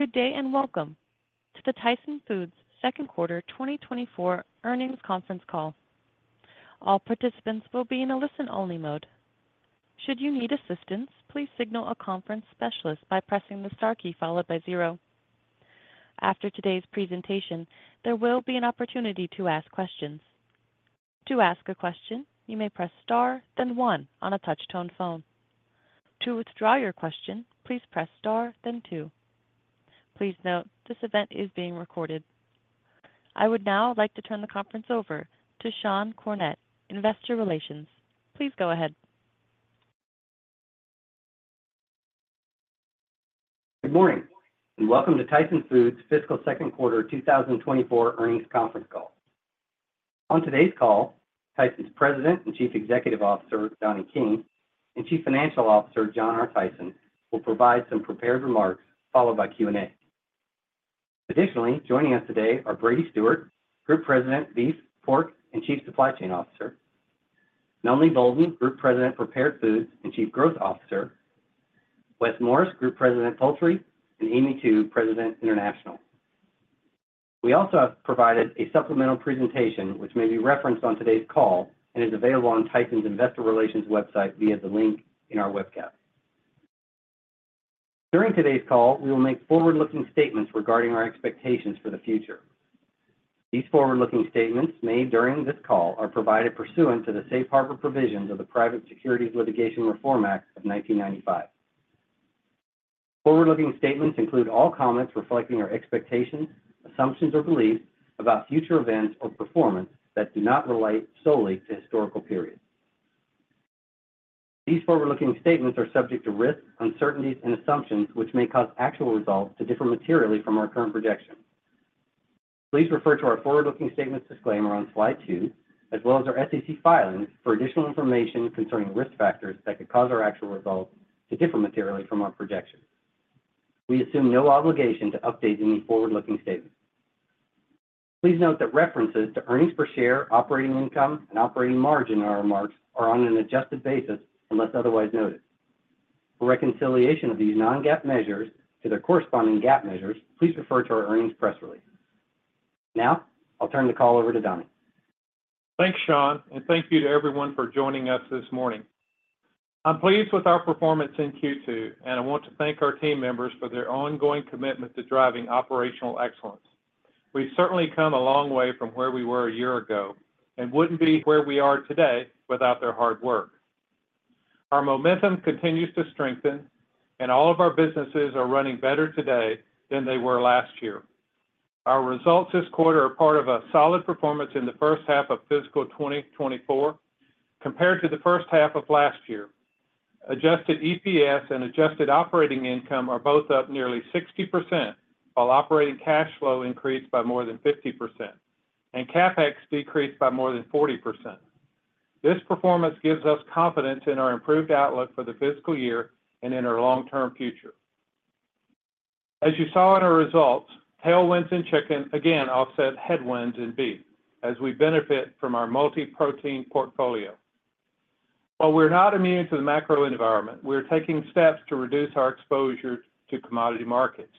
Good day and welcome to the Tyson Foods second quarter 2024 Earnings Conference Call. All participants will be in a listen-only mode. Should you need assistance, please signal a conference specialist by pressing the star key followed by zero. After today's presentation, there will be an opportunity to ask questions. To ask a question, you may press star, then one on a touch-tone phone. To withdraw your question, please press star, then two. Please note, this event is being recorded. I would now like to turn the conference over to Sean Cornett, Investor Relations. Please go ahead. Good morning and welcome to Tyson Foods fiscal second quarter 2024 earnings conference call. On today's call, Tyson's President and Chief Executive Officer, Donnie King, and Chief Financial Officer, John R. Tyson, will provide some prepared remarks followed by Q&A. Additionally, joining us today are Brady Stewart, Group President, Beef, Pork, and Chief Supply Chain Officer; Melanie Boulden, Group President, Prepared Foods, and Chief Growth Officer; Wes Morris, Group President, Poultry; and Amy Tu, President, International. We also have provided a supplemental presentation which may be referenced on today's call and is available on Tyson's Investor Relations website via the link in our webcast. During today's call, we will make forward-looking statements regarding our expectations for the future. These forward-looking statements made during this call are provided pursuant to the Safe Harbor provisions of the Private Securities Litigation Reform Act of 1995. Forward-looking statements include all comments reflecting our expectations, assumptions, or beliefs about future events or performance that do not rely solely on historical periods. These forward-looking statements are subject to risk, uncertainties, and assumptions which may cause actual results to differ materially from our current projections. Please refer to our forward-looking statements disclaimer on slide 2, as well as our SEC filings for additional information concerning risk factors that could cause our actual results to differ materially from our projections. We assume no obligation to update any forward-looking statements. Please note that references to earnings per share, operating income, and operating margin in our remarks are on an adjusted basis unless otherwise noted. For reconciliation of these non-GAAP measures to their corresponding GAAP measures, please refer to our earnings press release. Now, I'll turn the call over to Donnie. Thanks, Sean, and thank you to everyone for joining us this morning. I'm pleased with our performance in Q2, and I want to thank our team members for their ongoing commitment to driving operational excellence. We've certainly come a long way from where we were a year ago and wouldn't be where we are today without their hard work. Our momentum continues to strengthen, and all of our businesses are running better today than they were last year. Our results this quarter are part of a solid performance in the first half of fiscal 2024 compared to the first half of last year. Adjusted EPS and adjusted operating income are both up nearly 60% while operating cash flow increased by more than 50% and CapEx decreased by more than 40%. This performance gives us confidence in our improved outlook for the fiscal year and in our long-term future. As you saw in our results, tailwinds in chicken again offset headwinds in beef as we benefit from our multi-protein portfolio. While we're not immune to the macro environment, we're taking steps to reduce our exposure to commodity markets.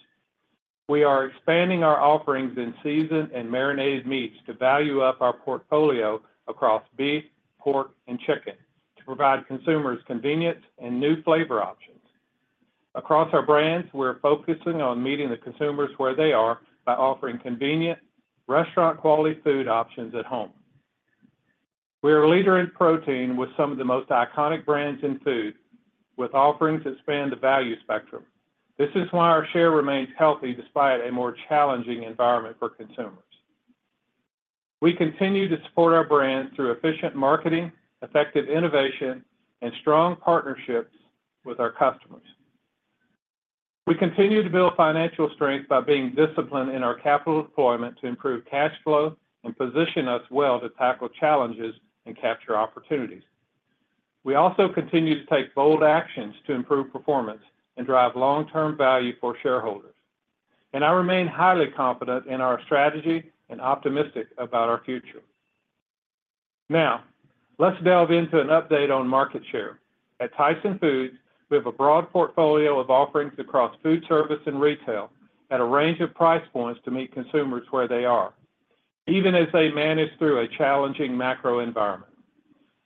We are expanding our offerings in seasoned and marinated meats to value up our portfolio across beef, pork, and chicken to provide consumers convenience and new flavor options. Across our brands, we're focusing on meeting the consumers where they are by offering convenient, restaurant-quality food options at home. We are leader in protein with some of the most iconic brands in food, with offerings that span the value spectrum. This is why our share remains healthy despite a more challenging environment for consumers. We continue to support our brands through efficient marketing, effective innovation, and strong partnerships with our customers. We continue to build financial strength by being disciplined in our capital deployment to improve cash flow and position us well to tackle challenges and capture opportunities. We also continue to take bold actions to improve performance and drive long-term value for shareholders, and I remain highly confident in our strategy and optimistic about our future. Now, let's delve into an update on market share. At Tyson Foods, we have a broad portfolio of offerings across foodservice and retail at a range of price points to meet consumers where they are, even as they manage through a challenging macro environment.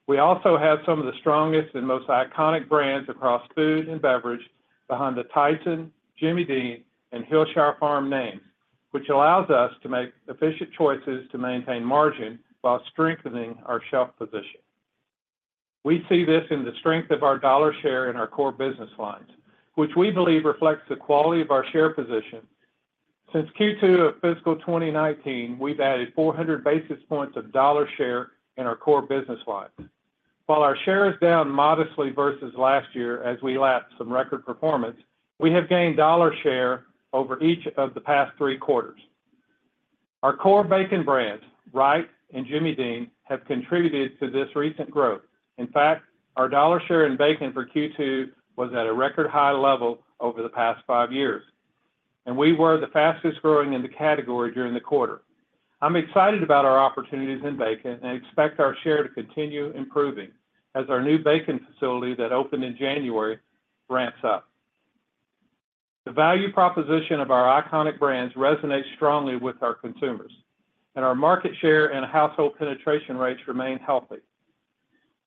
We also have some of the strongest and most iconic brands across food and beverage behind the Tyson, Jimmy Dean, and Hillshire Farm names, which allows us to make efficient choices to maintain margin while strengthening our shelf position. We see this in the strength of our dollar share in our core business lines, which we believe reflects the quality of our share position. Since Q2 of fiscal 2019, we've added 400 basis points of dollar share in our core business lines. While our share is down modestly versus last year as we lapped some record performance, we have gained dollar share over each of the past three quarters. Our core bacon brands, Wright and Jimmy Dean, have contributed to this recent growth. In fact, our dollar share in bacon for Q2 was at a record high level over the past five years, and we were the fastest growing in the category during the quarter. I'm excited about our opportunities in bacon and expect our share to continue improving as our new bacon facility that opened in January ramps up. The value proposition of our iconic brands resonates strongly with our consumers, and our market share and household penetration rates remain healthy.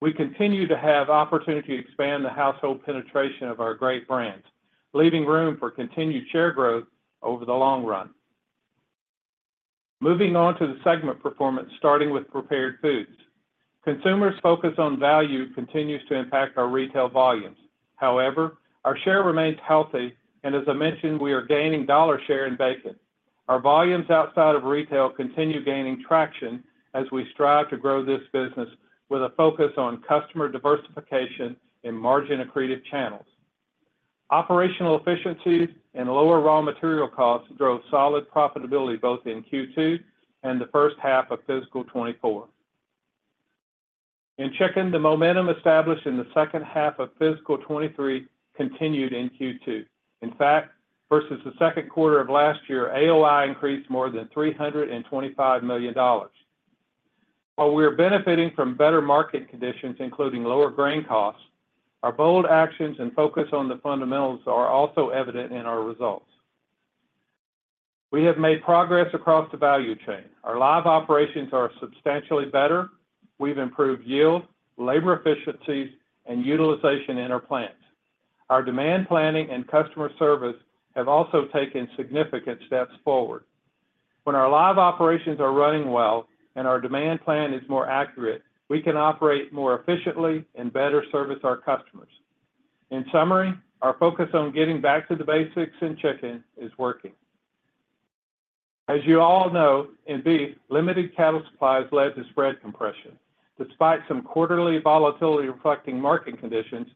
We continue to have opportunity to expand the household penetration of our great brands, leaving room for continued share growth over the long run. Moving on to the segment performance, starting with prepared foods, consumers' focus on value continues to impact our retail volumes. However, our share remains healthy, and as I mentioned, we are gaining dollar share in bacon. Our volumes outside of retail continue gaining traction as we strive to grow this business with a focus on customer diversification and margin accretive channels. Operational efficiencies and lower raw material costs drove solid profitability both in Q2 and the first half of fiscal 2024. In chicken, the momentum established in the second half of fiscal 2023 continued in Q2. In fact, versus the second quarter of last year, AOI increased more than $325 million. While we are benefiting from better market conditions, including lower grain costs, our bold actions and focus on the fundamentals are also evident in our results. We have made progress across the value chain. Our live operations are substantially better. We've improved yield, labor efficiencies, and utilization in our plants. Our demand planning and customer service have also taken significant steps forward. When our live operations are running well and our demand plan is more accurate, we can operate more efficiently and better service our customers. In summary, our focus on getting back to the basics in chicken is working. As you all know, in beef, limited cattle supplies led to spread compression. Despite some quarterly volatility reflecting market conditions,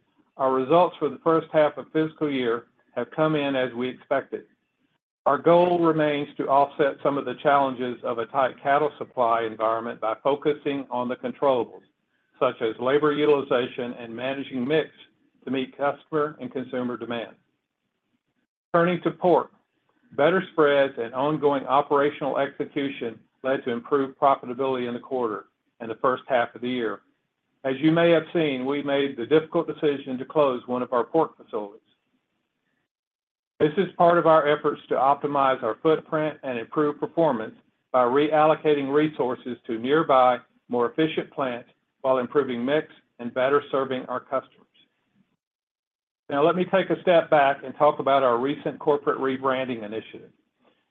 our results for the first half of fiscal year have come in as we expected. Our goal remains to offset some of the challenges of a tight cattle supply environment by focusing on the controllables such as labor utilization and managing mix to meet customer and consumer demand. Turning to pork, better spreads and ongoing operational execution led to improved profitability in the quarter and the first half of the year. As you may have seen, we made the difficult decision to close one of our pork facilities. This is part of our efforts to optimize our footprint and improve performance by reallocating resources to nearby, more efficient plants while improving mix and better serving our customers. Now, let me take a step back and talk about our recent corporate rebranding initiative.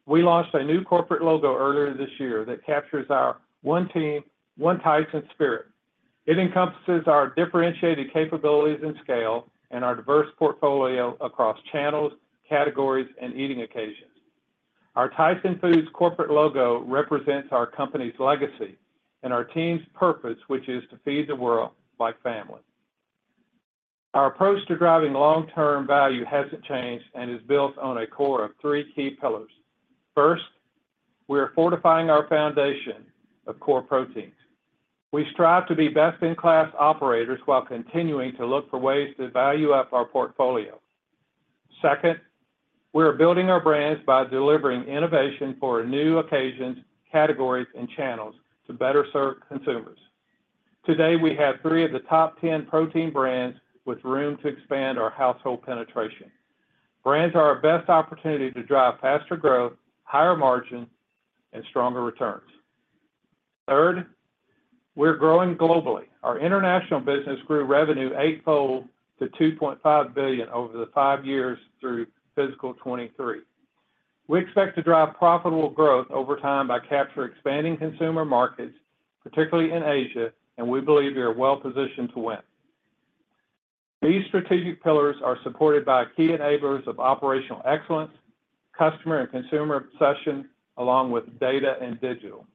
We launched a new corporate logo earlier this year that captures our One Team, One Tyson spirit. It encompasses our differentiated capabilities in scale and our diverse portfolio across channels, categories, and eating occasions. Our Tyson Foods corporate logo represents our company's legacy and our team's purpose, which is to feed the world like family. Our approach to driving long-term value hasn't changed and is built on a core of three key pillars. First, we are fortifying our foundation of core proteins. We strive to be best-in-class operators while continuing to look for ways to value up our portfolio. Second, we are building our brands by delivering innovation for new occasions, categories, and channels to better serve consumers. Today, we have three of the top 10 protein brands with room to expand our household penetration. Brands are our best opportunity to drive faster growth, higher margin, and stronger returns. Third, we're growing globally. Our international business grew revenue eight-fold to $2.5 billion over the five years through fiscal 2023. We expect to drive profitable growth over time by capturing expanding consumer markets, particularly in Asia, and we believe we are well-positioned to win. These strategic pillars are supported by key enablers of operational excellence, customer and consumer obsession, along with data and digital.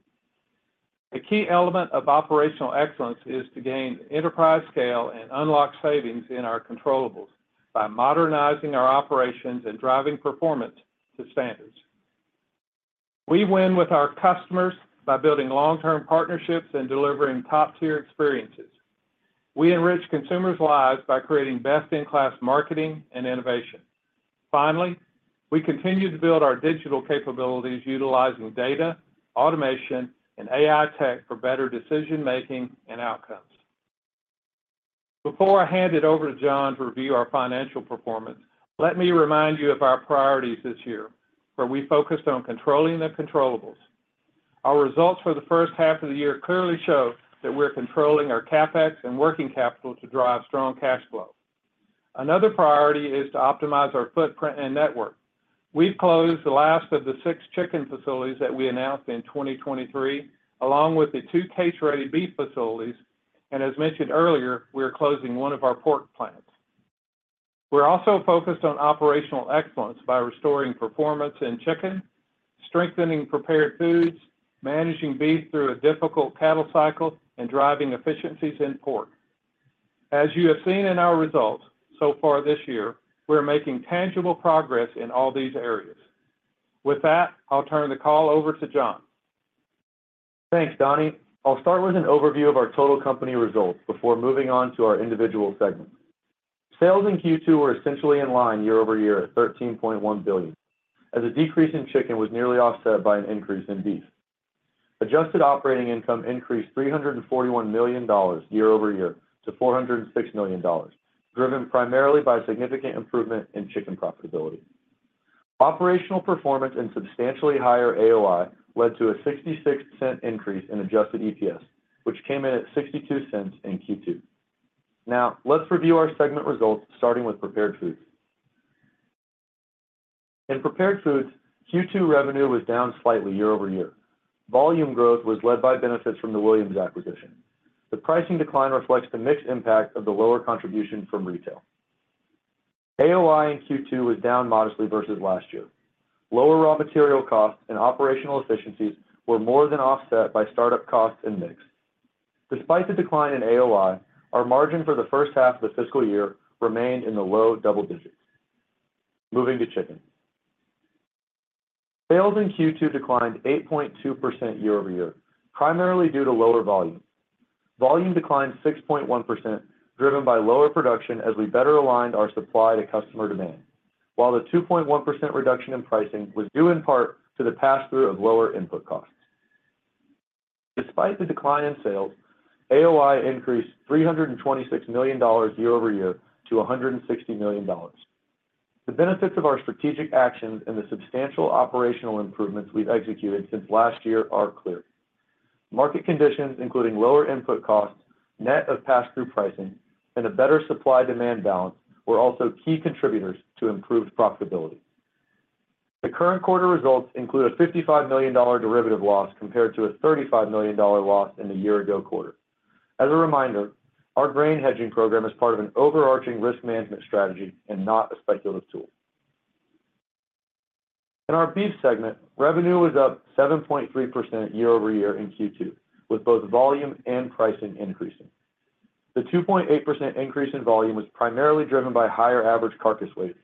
A key element of operational excellence is to gain enterprise scale and unlock savings in our controllables by modernizing our operations and driving performance to standards. We win with our customers by building long-term partnerships and delivering top-tier experiences. We enrich consumers' lives by creating best-in-class marketing and innovation. Finally, we continue to build our digital capabilities utilizing data, automation, and AI tech for better decision-making and outcomes. Before I hand it over to John to review our financial performance, let me remind you of our priorities this year, where we focused on controlling the controllables. Our results for the first half of the year clearly show that we're controlling our CapEx and working capital to drive strong cash flow. Another priority is to optimize our footprint and network. We've closed the last of the six chicken facilities that we announced in 2023, along with the two case-ready beef facilities, and as mentioned earlier, we are closing one of our pork plants. We're also focused on operational excellence by restoring performance in chicken, strengthening prepared foods, managing beef through a difficult cattle cycle, and driving efficiencies in pork. As you have seen in our results so far this year, we're making tangible progress in all these areas. With that, I'll turn the call over to John. Thanks, Donnie. I'll start with an overview of our total company results before moving on to our individual segments. Sales in Q2 were essentially in line YoY at $13.1 billion, as a decrease in chicken was nearly offset by an increase in beef. Adjusted operating income increased $341 million YoY to $406 million, driven primarily by significant improvement in chicken profitability. Operational performance and substantially higher AOI led to a $0.66 increase in adjusted EPS, which came in at $0.62 in Q2. Now, let's review our segment results, starting with Prepared Foods. In Prepared Foods, Q2 revenue was down slightly YoY. Volume growth was led by benefits from the Williams acquisition. The pricing decline reflects the mixed impact of the lower contribution from retail. AOI in Q2 was down modestly versus last year. Lower raw material costs and operational efficiencies were more than offset by startup costs and mix. Despite the decline in AOI, our margin for the first half of the fiscal year remained in the low double digits. Moving to Chicken. Sales in Q2 declined 8.2% YoY, primarily due to lower volume. Volume declined 6.1%, driven by lower production as we better aligned our supply to customer demand, while the 2.1% reduction in pricing was due in part to the pass-through of lower input costs. Despite the decline in sales, AOI increased $326 million YoY to $160 million. The benefits of our strategic actions and the substantial operational improvements we've executed since last year are clear. Market conditions, including lower input costs, net of pass-through pricing, and a better supply-demand balance, were also key contributors to improved profitability. The current quarter results include a $55 million derivative loss compared to a $35 million loss in the year-ago quarter. As a reminder, our grain hedging program is part of an overarching risk management strategy and not a speculative tool. In our beef segment, revenue was up 7.3% YoY in Q2, with both volume and pricing increasing. The 2.8% increase in volume was primarily driven by higher average carcass weights,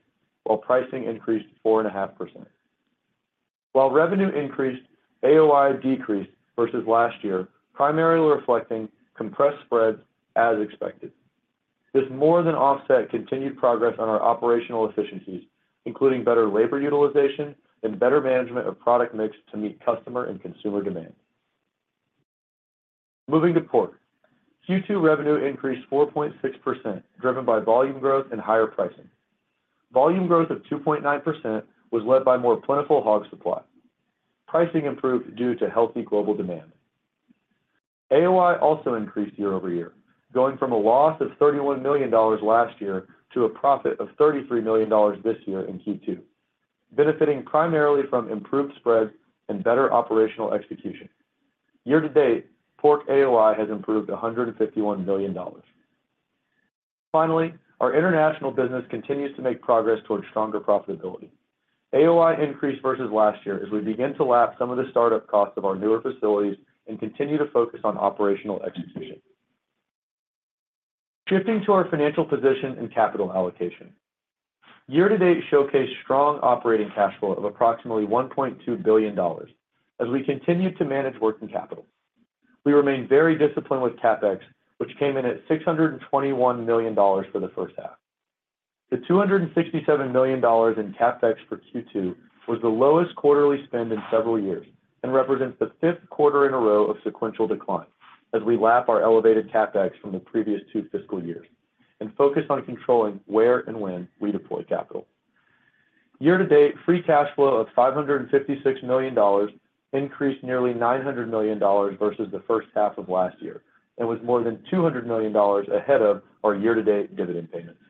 while pricing increased 4.5%. While revenue increased, AOI decreased versus last year, primarily reflecting compressed spreads as expected. This more than offset continued progress on our operational efficiencies, including better labor utilization and better management of product mix to meet customer and consumer demand. Moving to pork, Q2 revenue increased 4.6%, driven by volume growth and higher pricing. Volume growth of 2.9% was led by more plentiful hog supply. Pricing improved due to healthy global demand. AOI also increased YoY, going from a loss of $31 million last year to a profit of $33 million this year in Q2, benefiting primarily from improved spreads and better operational execution. Year to date, pork AOI has improved $151 million. Finally, our international business continues to make progress toward stronger profitability. AOI increased versus last year as we begin to lap some of the startup costs of our newer facilities and continue to focus on operational execution. Shifting to our financial position and capital allocation, year to date showcased strong operating cash flow of approximately $1.2 billion as we continue to manage working capital. We remain very disciplined with CapEx, which came in at $621 million for the first half. The $267 million in CapEx for Q2 was the lowest quarterly spend in several years and represents the fifth quarter in a row of sequential decline as we lap our elevated CapEx from the previous two fiscal years and focus on controlling where and when we deploy capital. Year to date, free cash flow of $556 million increased nearly $900 million versus the first half of last year and was more than $200 million ahead of our year-to-date dividend payments.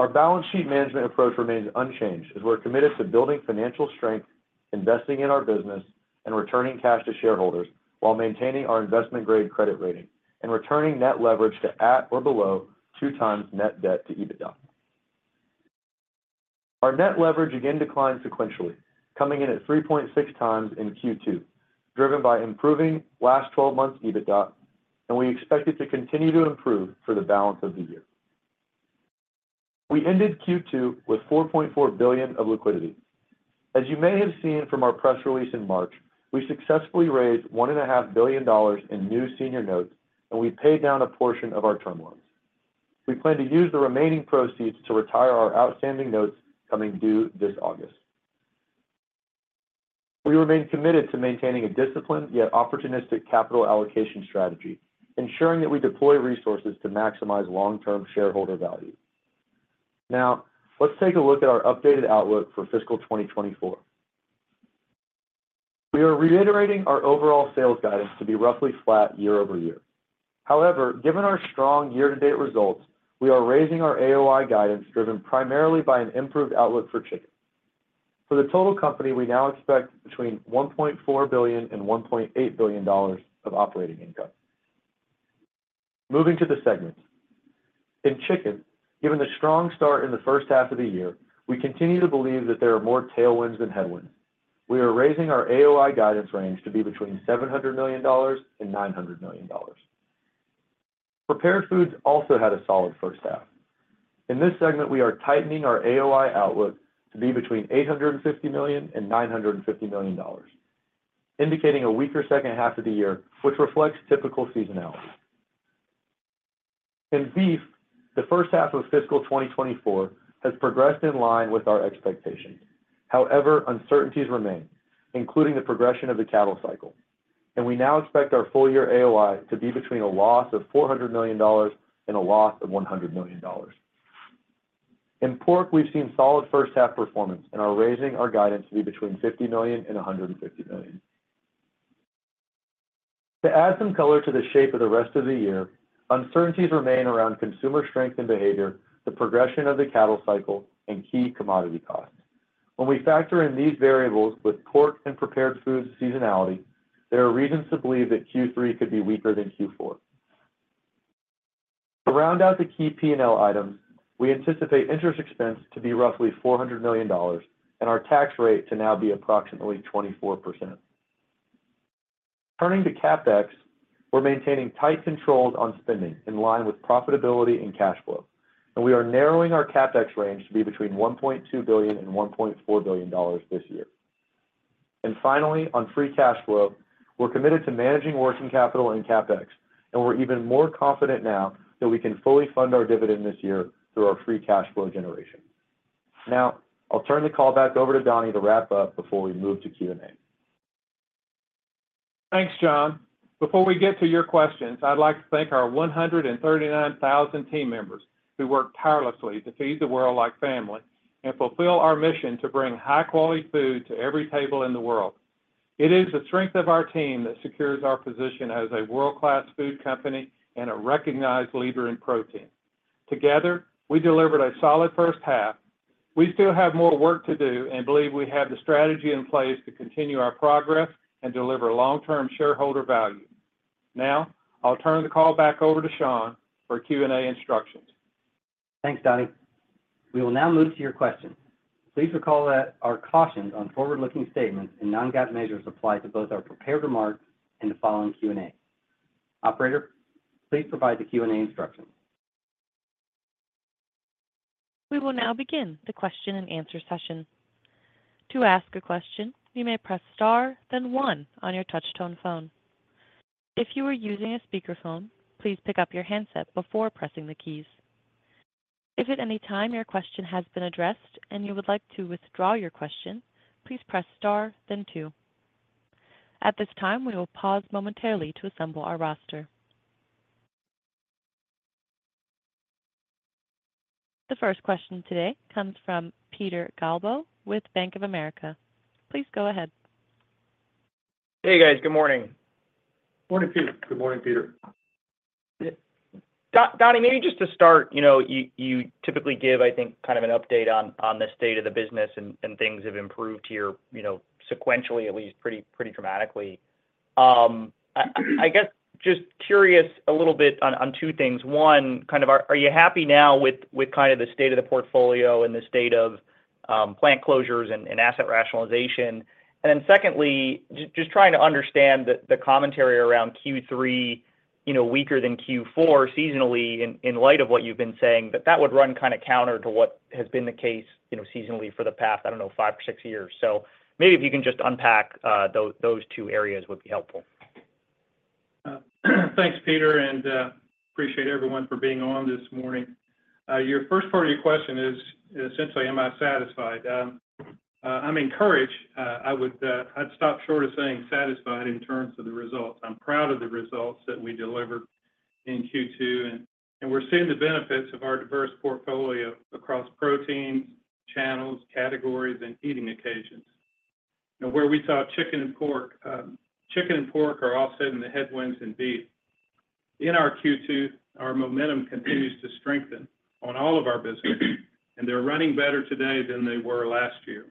Our balance sheet management approach remains unchanged as we're committed to building financial strength, investing in our business, and returning cash to shareholders while maintaining our investment-grade credit rating and returning net leverage to at or below 2x net debt to EBITDA. Our net leverage again declined sequentially, coming in at 3.6x in Q2, driven by improving last 12 months' EBITDA, and we expect it to continue to improve for the balance of the year. We ended Q2 with $4.4 billion of liquidity. As you may have seen from our press release in March, we successfully raised $1.5 billion in new senior notes, and we paid down a portion of our term loans. We plan to use the remaining proceeds to retire our outstanding notes coming due this August. We remain committed to maintaining a disciplined yet opportunistic capital allocation strategy, ensuring that we deploy resources to maximize long-term shareholder value. Now, let's take a look at our updated outlook for fiscal 2024. We are reiterating our overall sales guidance to be roughly flat YoY. However, given our strong year-to-date results, we are raising our AOI guidance driven primarily by an improved outlook for Chicken. For the total company, we now expect between $1.4 billion and $1.8 billion of operating income. Moving to the segments. In Chicken, given the strong start in the first half of the year, we continue to believe that there are more tailwinds than headwinds. We are raising our AOI guidance range to be between $700 million and $900 million. Prepared Foods also had a solid first half. In this segment, we are tightening our AOI outlook to be between $850 million and $950 million, indicating a weaker second half of the year, which reflects typical seasonality. In Beef, the first half of fiscal 2024 has progressed in line with our expectations. However, uncertainties remain, including the progression of the cattle cycle, and we now expect our full-year AOI to be between a loss of $400-$100 million. In pork, we've seen solid first-half performance and are raising our guidance to be between $50-$150 million. To add some color to the shape of the rest of the year, uncertainties remain around consumer strength and behavior, the progression of the cattle cycle, and key commodity costs. When we factor in these variables with pork and prepared foods' seasonality, there are reasons to believe that Q3 could be weaker than Q4. To round out the key P&L items, we anticipate interest expense to be roughly $400 million and our tax rate to now be approximately 24%. Turning to CapEx, we're maintaining tight controls on spending in line with profitability and cash flow, and we are narrowing our CapEx range to be between $1.2 billion and $1.4 billion this year. Finally, on free cash flow, we're committed to managing working capital and CapEx, and we're even more confident now that we can fully fund our dividend this year through our free cash flow generation. Now, I'll turn the call back over to Donnie to wrap up before we move to Q&A. Thanks, John. Before we get to your questions, I'd like to thank our 139,000 team members who work tirelessly to feed the world like family and fulfill our mission to bring high-quality food to every table in the world. It is the strength of our team that secures our position as a world-class food company and a recognized leader in protein. Together, we delivered a solid first half. We still have more work to do and believe we have the strategy in place to continue our progress and deliver long-term shareholder value. Now, I'll turn the call back over to Sean for Q&A instructions. Thanks, Donnie. We will now move to your questions. Please recall that our cautions on forward-looking statements and non-GAAP measures apply to both our prepared remarks and the following Q&A. Operator, please provide the Q&A instructions. We will now begin the question-and-answer session. To ask a question, you may press star, then one on your touch-tone phone. If you are using a speakerphone, please pick up your handset before pressing the keys. If at any time your question has been addressed and you would like to withdraw your question, please press star, then two. At this time, we will pause momentarily to assemble our roster. The first question today comes from Peter Galbo with Bank of America. Please go ahead. Hey, guys. Good morning. Morning, Peter. Good morning, Peter. Donnie, maybe just to start, you typically give, I think, kind of an update on this state of the business and things have improved here sequentially, at least pretty dramatically. I guess just curious a little bit on two things. One, kind of are you happy now with kind of the state of the portfolio and the state of plant closures and asset rationalization? And then secondly, just trying to understand the commentary around Q3 weaker than Q4 seasonally in light of what you've been saying, that that would run kind of counter to what has been the case seasonally for the past, I don't know, five or six years. So maybe if you can just unpack those two areas would be helpful. Thanks, Peter, and appreciate everyone for being on this morning. Your first part of your question is essentially, am I satisfied? I'm encouraged. I'd stop short of saying satisfied in terms of the results. I'm proud of the results that we delivered in Q2, and we're seeing the benefits of our diverse portfolio across proteins, channels, categories, and eating occasions. Where we saw chicken and pork, chicken and pork are offsetting the headwinds in beef. In our Q2, our momentum continues to strengthen on all of our businesses, and they're running better today than they were last year.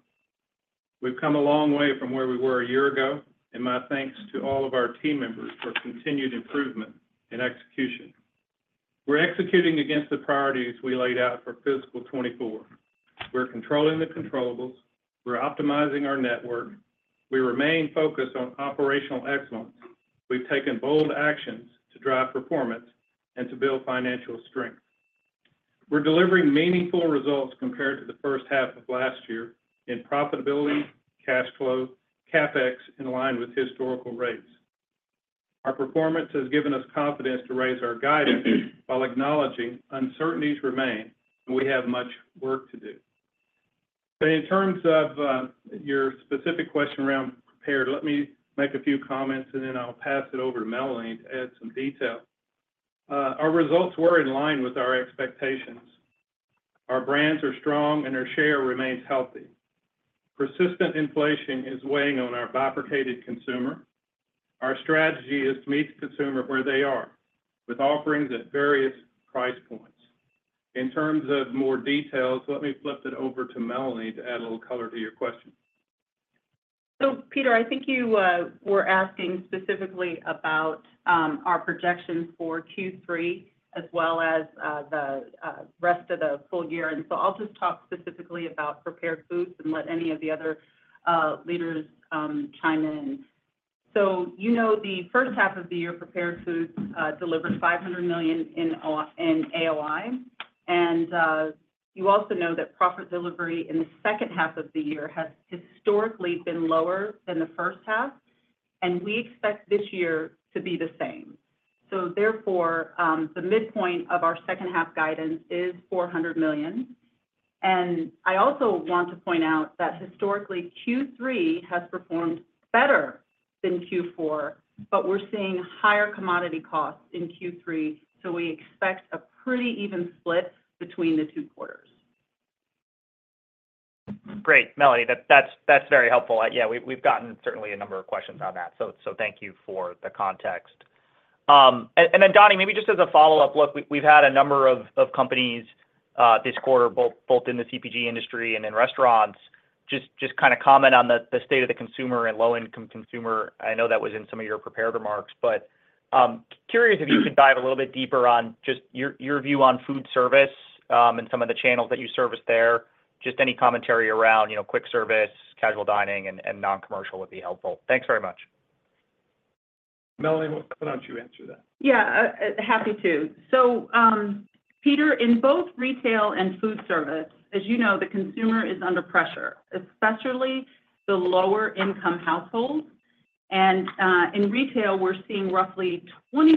We've come a long way from where we were a year ago, and my thanks to all of our team members for continued improvement and execution. We're executing against the priorities we laid out for fiscal 2024. We're controlling the controllables. We're optimizing our network. We remain focused on operational excellence. We've taken bold actions to drive performance and to build financial strength. We're delivering meaningful results compared to the first half of last year in profitability, cash flow, CapEx in line with historical rates. Our performance has given us confidence to raise our guidance while acknowledging uncertainties remain, and we have much work to do. But in terms of your specific question around prepared, let me make a few comments, and then I'll pass it over to Melanie to add some detail. Our results were in line with our expectations. Our brands are strong, and our share remains healthy. Persistent inflation is weighing on our bifurcated consumer. Our strategy is to meet the consumer where they are with offerings at various price points. In terms of more details, let me flip it over to Melanie to add a little color to your question. So, Peter, I think you were asking specifically about our projections for Q3 as well as the rest of the full year. So I'll just talk specifically about Prepared Foods and let any of the other leaders chime in. So you know the first half of the year, Prepared Foods delivered $500 million in AOI. And you also know that profit delivery in the second half of the year has historically been lower than the first half, and we expect this year to be the same. So therefore, the midpoint of our second half guidance is $400 million. And I also want to point out that historically, Q3 has performed better than Q4, but we're seeing higher commodity costs in Q3, so we expect a pretty even split between the two quarters. Great, Melanie. That's very helpful. Yeah, we've gotten certainly a number of questions on that, so thank you for the context. And then, Donnie, maybe just as a follow-up, look, we've had a number of companies this quarter, both in the CPG industry and in restaurants, just kind of comment on the state of the consumer and low-income consumer. I know that was in some of your prepared remarks, but curious if you could dive a little bit deeper on just your view on foodservice and some of the channels that you service there. Just any commentary around quick service, casual dining, and non-commercial would be helpful. Thanks very much. Melanie, why don't you answer that? Yeah, happy to. So, Peter, in both retail and foodservice, as you know, the consumer is under pressure, especially the lower-income households. And in retail, we're seeing roughly 20%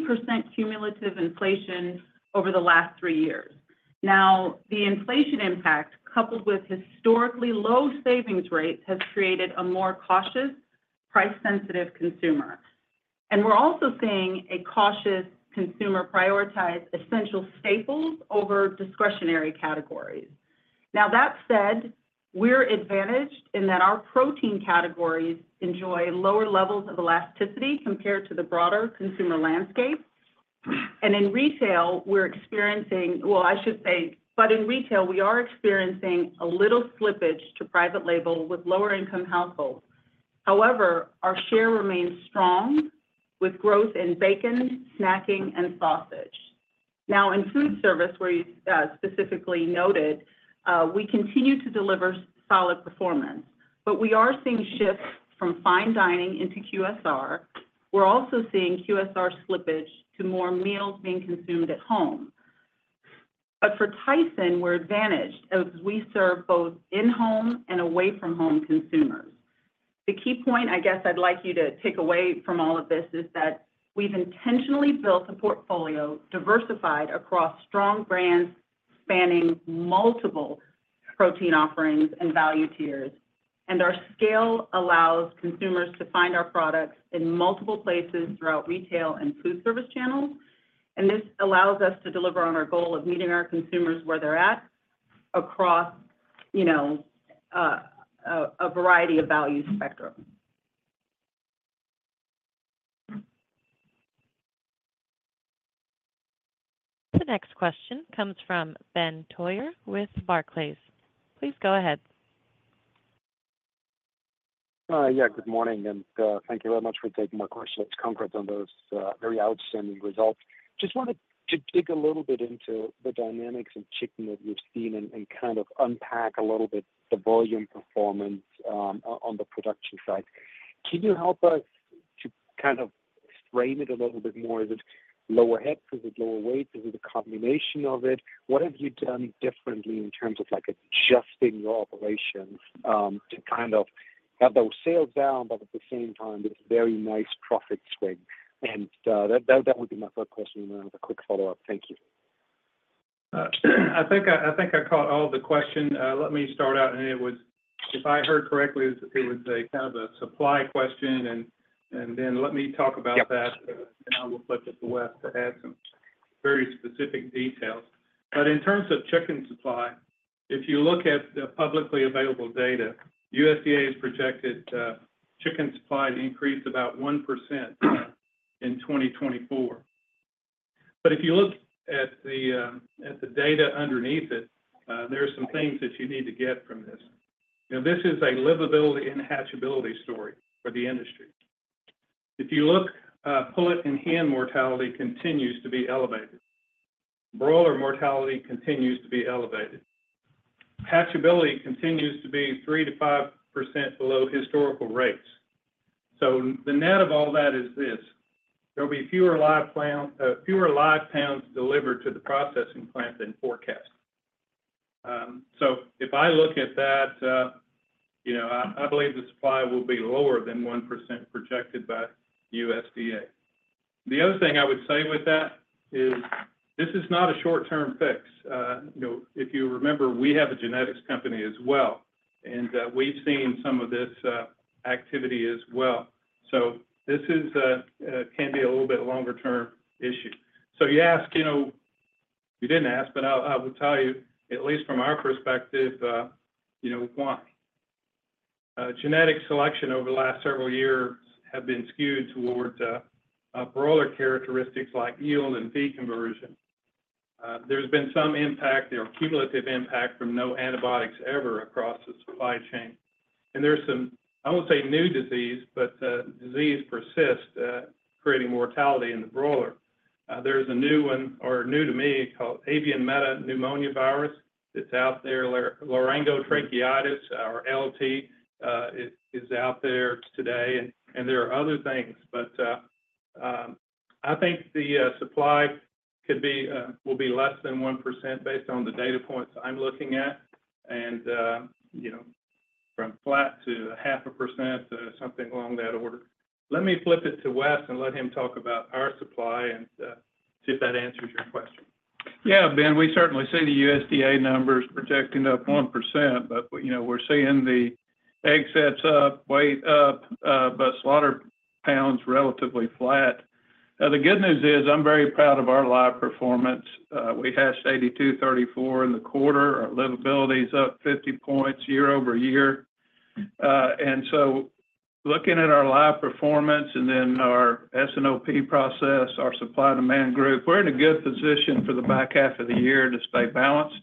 cumulative inflation over the last three years. Now, the inflation impact, coupled with historically low savings rates, has created a more cautious, price-sensitive consumer. And we're also seeing a cautious consumer prioritize essential staples over discretionary categories. Now, that said, we're advantaged in that our protein categories enjoy lower levels of elasticity compared to the broader consumer landscape. And in retail, we're experiencing well, I should say. But in retail, we are experiencing a little slippage to private label with lower-income households. However, our share remains strong with growth in bacon, snacking, and sausage. Now, in foodservice, where you specifically noted, we continue to deliver solid performance, but we are seeing shifts from fine dining into QSR. We're also seeing QSR slippage to more meals being consumed at home. But for Tyson, we're advantaged as we serve both in-home and away-from-home consumers. The key point, I guess I'd like you to take away from all of this is that we've intentionally built a portfolio diversified across strong brands spanning multiple protein offerings and value tiers. And our scale allows consumers to find our products in multiple places throughout retail and foodservice channels. And this allows us to deliver on our goal of meeting our consumers where they're at across a variety of value spectrum. The next question comes from Ben Theurer with Barclays. Please go ahead. Yeah, good morning. Thank you very much for taking my questions. Congrats on those very outstanding results. Just wanted to dig a little bit into the dynamics in chicken that you've seen and kind of unpack a little bit the volume performance on the production side. Can you help us to kind of frame it a little bit more? Is it lower heads? Is it lower weights? Is it a combination of it? What have you done differently in terms of adjusting your operations to kind of have those sales down, but at the same time, this very nice profit swing? And that would be my first question, and then I have a quick follow-up. Thank you. I think I caught all the questions. Let me start out, and if I heard correctly, it was kind of a supply question. Then let me talk about that, and I will flip to Wes to add some very specific details. But in terms of chicken supply, if you look at the publicly available data, USDA has projected chicken supply to increase about 1% in 2024. But if you look at the data underneath it, there are some things that you need to get from this. This is a livability and hatchability story for the industry. If you look, pullet and hen mortality continues to be elevated. Broiler mortality continues to be elevated. Hatchability continues to be 3%-5% below historical rates. So the net of all that is this: there'll be fewer live pounds delivered to the processing plant than forecast. So if I look at that, I believe the supply will be lower than 1% projected by USDA. The other thing I would say with that is this is not a short-term fix. If you remember, we have a genetics company as well, and we've seen some of this activity as well. So this can be a little bit longer-term issue. So you asked you didn't ask, but I will tell you, at least from our perspective, why. Genetic selection over the last several years has been skewed toward breeder characteristics like yield and feed conversion. There's been some impact, or cumulative impact, from No Antibiotics Ever across the supply chain. And there's some, I won't say new disease, but disease persists, creating mortality in the breeder. There's a new one, or new to me, called avian metapneumovirus that's out there. Laryngotracheitis, or LT, is out there today. And there are other things, but I think the supply will be less than 1% based on the data points I'm looking at, and from flat to 0.5% to something along that order. Let me flip it to Wes and let him talk about our supply and see if that answers your question. Yeah, Ben, we certainly see the USDA numbers projecting up 1%, but we're seeing the egg sets up, weight up, but slaughter pounds relatively flat. The good news is I'm very proud of our live performance. We hatched 82.34 in the quarter. Our livability is up 50 points YoY. And so looking at our live performance and then our S&OP process, our supply-demand group, we're in a good position for the back half of the year to stay balanced,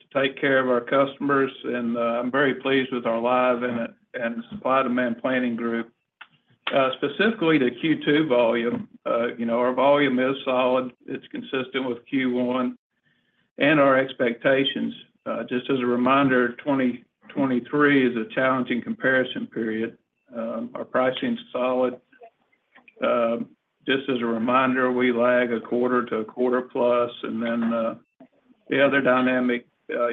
to take care of our customers. I'm very pleased with our live and supply-demand planning group. Specifically to Q2 volume, our volume is solid. It's consistent with Q1 and our expectations. Just as a reminder, 2023 is a challenging comparison period. Our pricing is solid. Just as a reminder, we lag a quarter to a quarter plus. And then the other dynamic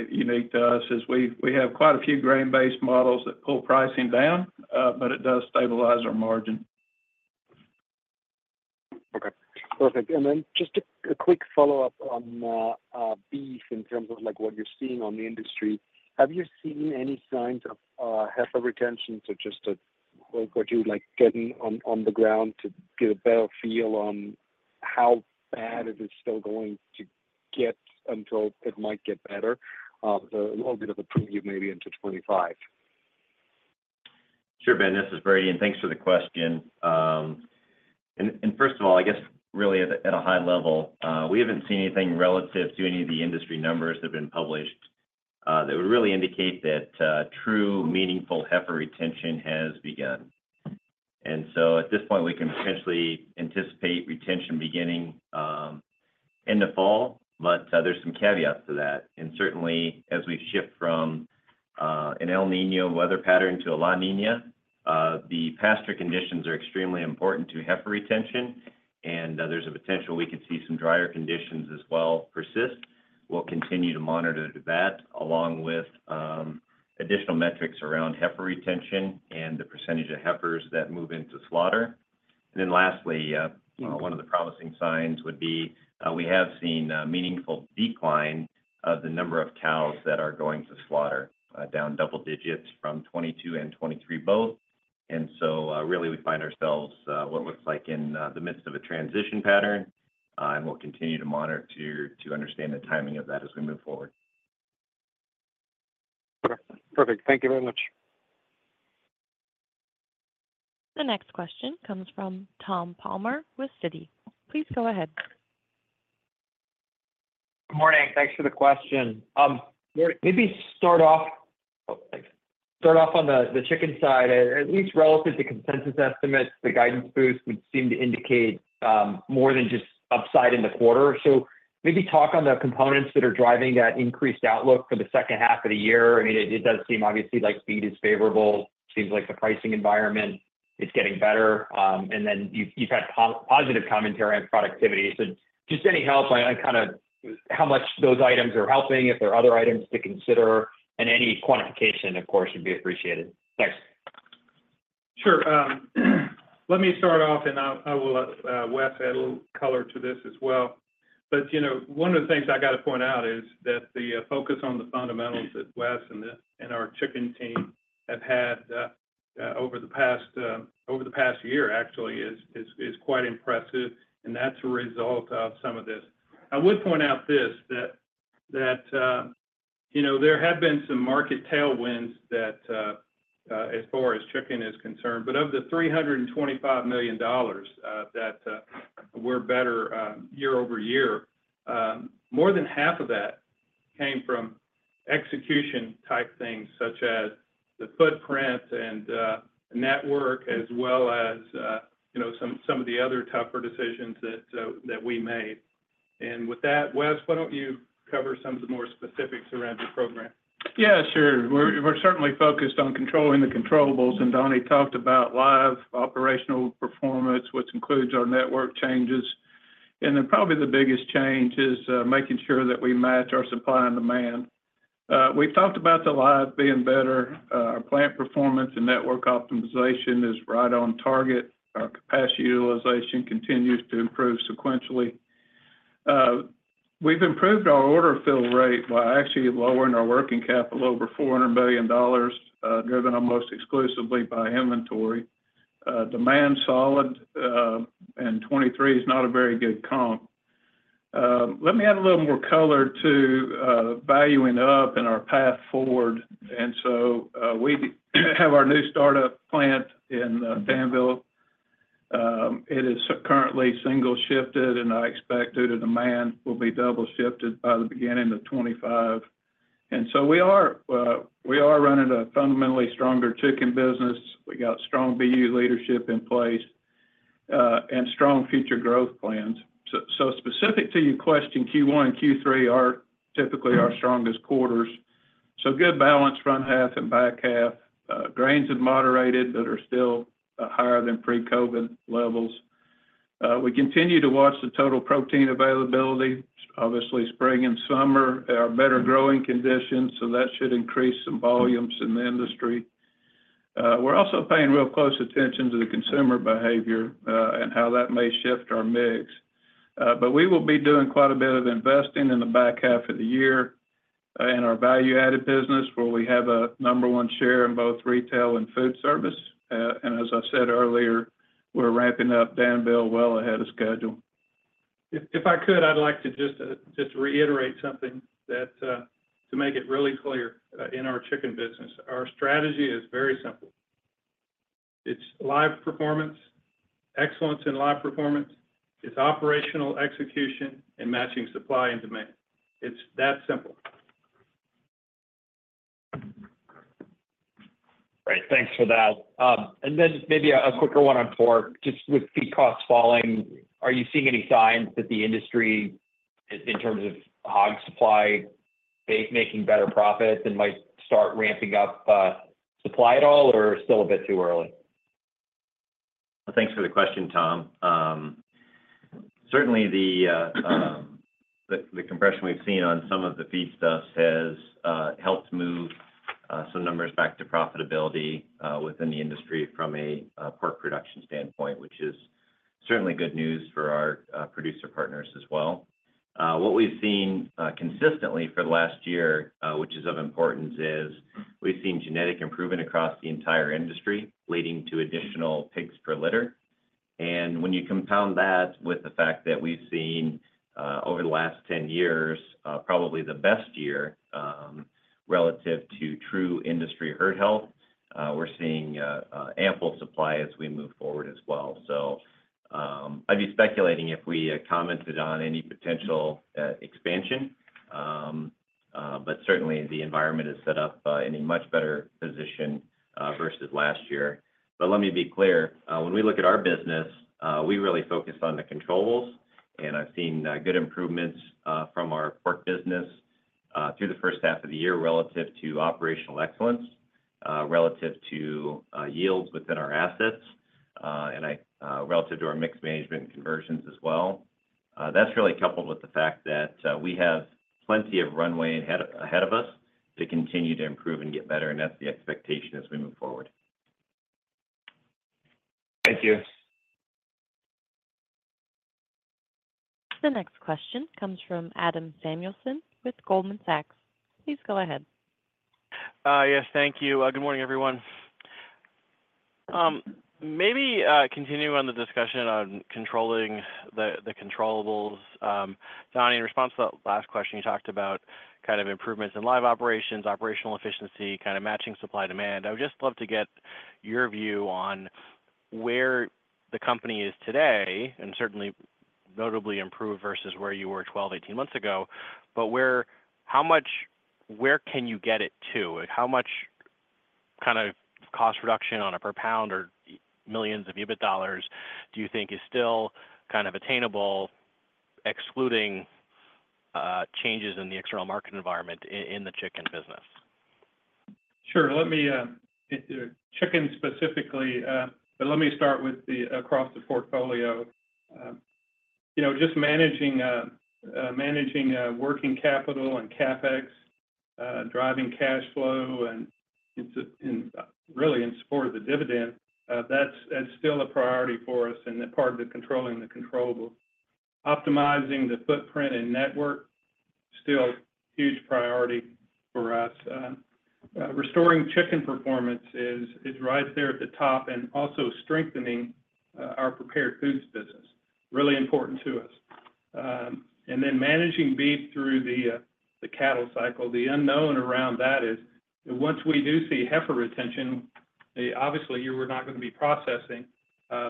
unique to us is we have quite a few grain-based models that pull pricing down, but it does stabilize our margin. Okay, perfect. And then just a quick follow-up on beef in terms of what you're seeing on the industry. Have you seen any signs of heifer retention to just what you would like getting on the ground to get a better feel on how bad it is still going to get until it might get better? A little bit of a preview maybe into 2025. Sure, Ben. This is Brady, and thanks for the question. And first of all, I guess really at a high level, we haven't seen anything relative to any of the industry numbers that have been published that would really indicate that true meaningful heifer retention has begun. And so at this point, we can potentially anticipate retention beginning end of fall, but there's some caveats to that. And certainly, as we shift from an El Niño weather pattern to a La Niña, the pasture conditions are extremely important to heifer retention, and there's a potential we could see some drier conditions as well persist. We'll continue to monitor that along with additional metrics around heifer retention and the percentage of heifers that move into slaughter. Then lastly, one of the promising signs would be we have seen meaningful decline of the number of cows that are going to slaughter, down double digits from 2022 and 2023 both. So really, we find ourselves what looks like in the midst of a transition pattern, and we'll continue to monitor to understand the timing of that as we move forward. Perfect. Thank you very much. The next question comes from Tom Palmer with Citi. Please go ahead. Good morning. Thanks for the question. Start off on the chicken side. At least relative to consensus estimates, the guidance boost would seem to indicate more than just upside in the quarter. So maybe talk on the components that are driving that increased outlook for the second half of the year. I mean, it does seem, obviously, like feed is favorable. Seems like the pricing environment is getting better. And then you've had positive commentary on productivity. So just any help on kind of how much those items are helping, if there are other items to consider, and any quantification, of course, would be appreciated. Thanks. Sure. Let me start off, and I will, Wes, add a little color to this as well. But one of the things I got to point out is that the focus on the fundamentals that Wes and our chicken team have had over the past year, actually, is quite impressive, and that's a result of some of this. I would point out this, that there have been some market tailwinds as far as chicken is concerned. But of the $325 million that were better YoY, more than half of that came from execution-type things such as the footprint and network, as well as some of the other tougher decisions that we made. And with that, Wes, why don't you cover some of the more specifics around your program? Yeah, sure. We're certainly focused on controlling the controllables. Donnie talked about live operational performance, which includes our network changes. Then probably the biggest change is making sure that we match our supply and demand. We've talked about the live being better. Our plant performance and network optimization is right on target. Our capacity utilization continues to improve sequentially. We've improved our order fill rate by actually lowering our working capital over $400 million, driven almost exclusively by inventory. Demand is solid, and 2023 is not a very good comp. Let me add a little more color to valuing up and our path forward. So we have our new startup plant in Danville. It is currently single-shifted, and I expect due to demand, it will be double-shifted by the beginning of 2025. So we are running a fundamentally stronger chicken business. We got strong BU leadership in place and strong future growth plans. Specific to your question, Q1 and Q3 are typically our strongest quarters. Good balance front half and back half. Grains are moderated, but are still higher than pre-COVID levels. We continue to watch the total protein availability, obviously, spring and summer, our better growing conditions. That should increase some volumes in the industry. We're also paying real close attention to the consumer behavior and how that may shift our mix. But we will be doing quite a bit of investing in the back half of the year in our value-added business, where we have a number one share in both retail and foodservice. As I said earlier, we're ramping up Danville well ahead of schedule. If I could, I'd like to just reiterate something to make it really clear in our chicken business. Our strategy is very simple. It's live performance, excellence in live performance. It's operational execution and matching supply and demand. It's that simple. Great. Thanks for that. And then maybe a quicker one on pork. Just with feed costs falling, are you seeing any signs that the industry, in terms of hog supply, is making better profits and might start ramping up supply at all, or still a bit too early? Thanks for the question, Tom. Certainly, the compression we've seen on some of the feed stuff has helped move some numbers back to profitability within the industry from a pork production standpoint, which is certainly good news for our producer partners as well. What we've seen consistently for the last year, which is of importance, is we've seen genetic improvement across the entire industry, leading to additional pigs per litter. And when you compound that with the fact that we've seen, over the last 10 years, probably the best year relative to true industry herd health, we're seeing ample supply as we move forward as well. So I'd be speculating if we commented on any potential expansion, but certainly, the environment is set up in a much better position versus last year. But let me be clear. When we look at our business, we really focus on the controllables. I've seen good improvements from our pork business through the first half of the year relative to operational excellence, relative to yields within our assets, and relative to our mixed management conversions as well. That's really coupled with the fact that we have plenty of runway ahead of us to continue to improve and get better, and that's the expectation as we move forward. Thank you. The next question comes from Adam Samuelson with Goldman Sachs. Please go ahead. Yes, thank you. Good morning, everyone. Maybe continuing on the discussion on controlling the controllables. Donnie, in response to that last question, you talked about kind of improvements in live operations, operational efficiency, kind of matching supply-demand. I would just love to get your view on where the company is today and certainly notably improved versus where you were 12, 18 months ago. But how much more where can you get it to? How much kind of cost reduction on a per pound or millions of EBIT dollars do you think is still kind of attainable, excluding changes in the external market environment in the chicken business? Sure. Chicken specifically, but let me start across the portfolio. Just managing working capital and CapEx, driving cash flow, and really in support of the dividend, that's still a priority for us and part of controlling the controllables. Optimizing the footprint and network, still a huge priority for us. Restoring Chicken performance is right there at the top and also strengthening our Prepared Foods business, really important to us. And then managing Beef through the cattle cycle. The unknown around that is once we do see heifer retention, obviously, you're not going to be processing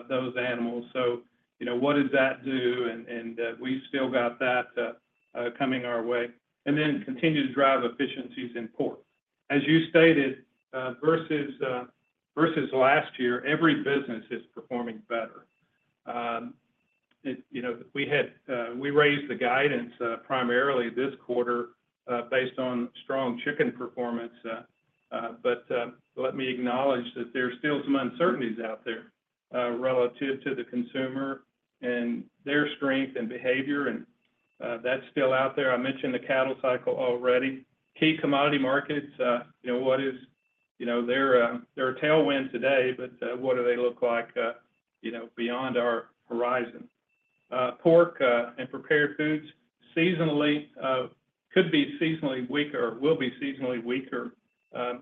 those animals. So what does that do? And we've still got that coming our way. And then continue to drive efficiencies in Pork. As you stated, versus last year, every business is performing better. We raised the guidance primarily this quarter based on strong Chicken performance. But let me acknowledge that there's still some uncertainties out there relative to the consumer and their strength and behavior, and that's still out there. I mentioned the cattle cycle already. Key commodity markets, what they are tailwinds today, but what do they look like beyond our horizon? Pork and prepared foods seasonally could be seasonally weaker or will be seasonally weaker. And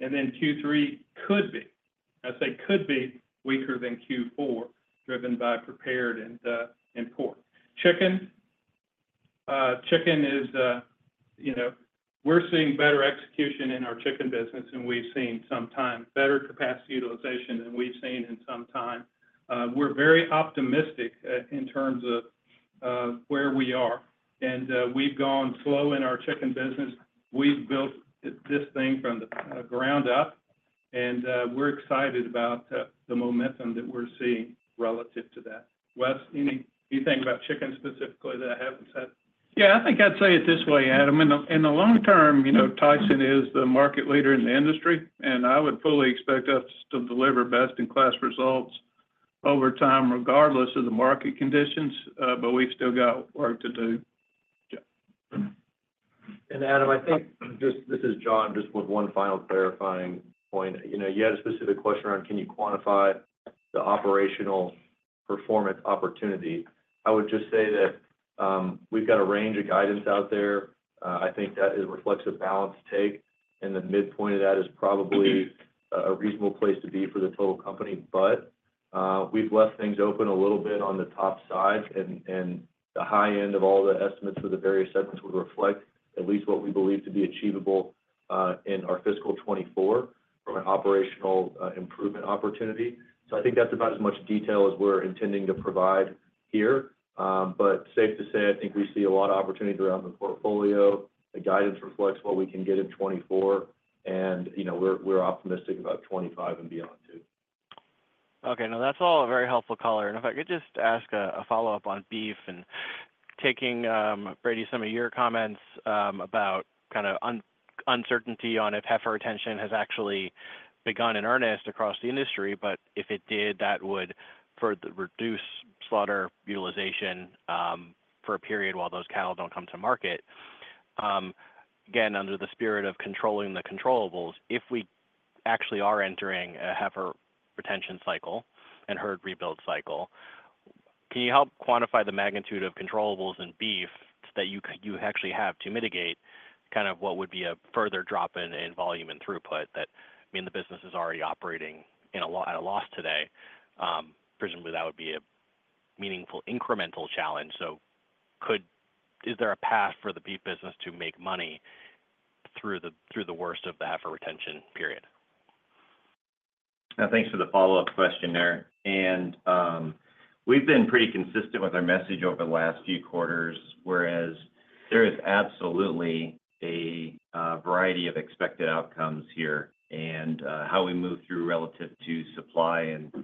then Q3 could be, I say, weaker than Q4, driven by prepared and pork. Chicken, we're seeing better execution in our chicken business, and we've seen in some time, better capacity utilization than we've seen in some time. We're very optimistic in terms of where we are. And we've gone slow in our chicken business. We've built this thing from the ground up, and we're excited about the momentum that we're seeing relative to that. Wes, anything about chicken specifically that I haven't said? Yeah, I think I'd say it this way, Adam. In the long term, Tyson is the market leader in the industry, and I would fully expect us to deliver best-in-class results over time, regardless of the market conditions. But we've still got work to do. Adam, I think, this is John, just with one final clarifying point. You had a specific question around, "Can you quantify the operational performance opportunity?" I would just say that we've got a range of guidance out there. I think that reflects a balanced take. The midpoint of that is probably a reasonable place to be for the total company. But we've left things open a little bit on the top side. The high end of all the estimates for the various segments would reflect at least what we believe to be achievable in our fiscal 2024 from an operational improvement opportunity. So I think that's about as much detail as we're intending to provide here. But safe to say, I think we see a lot of opportunity throughout the portfolio. The guidance reflects what we can get in 2024, and we're optimistic about 2025 and beyond too. Okay. No, that's all a very helpful color. And if I could just ask a follow-up on beef and taking, Brady, some of your comments about kind of uncertainty on if heifer retention has actually begun in earnest across the industry. But if it did, that would further reduce slaughter utilization for a period while those cattle don't come to market. Again, under the spirit of controlling the controllables, if we actually are entering a heifer retention cycle and herd rebuild cycle, can you help quantify the magnitude of controllables in beef that you actually have to mitigate kind of what would be a further drop in volume and throughput? I mean, the business is already operating at a loss today. Presumably, that would be a meaningful incremental challenge. So is there a path for the beef business to make money through the worst of the heifer retention period? Thanks for the follow-up question there. We've been pretty consistent with our message over the last few quarters, whereas there is absolutely a variety of expected outcomes here and how we move through relative to supply and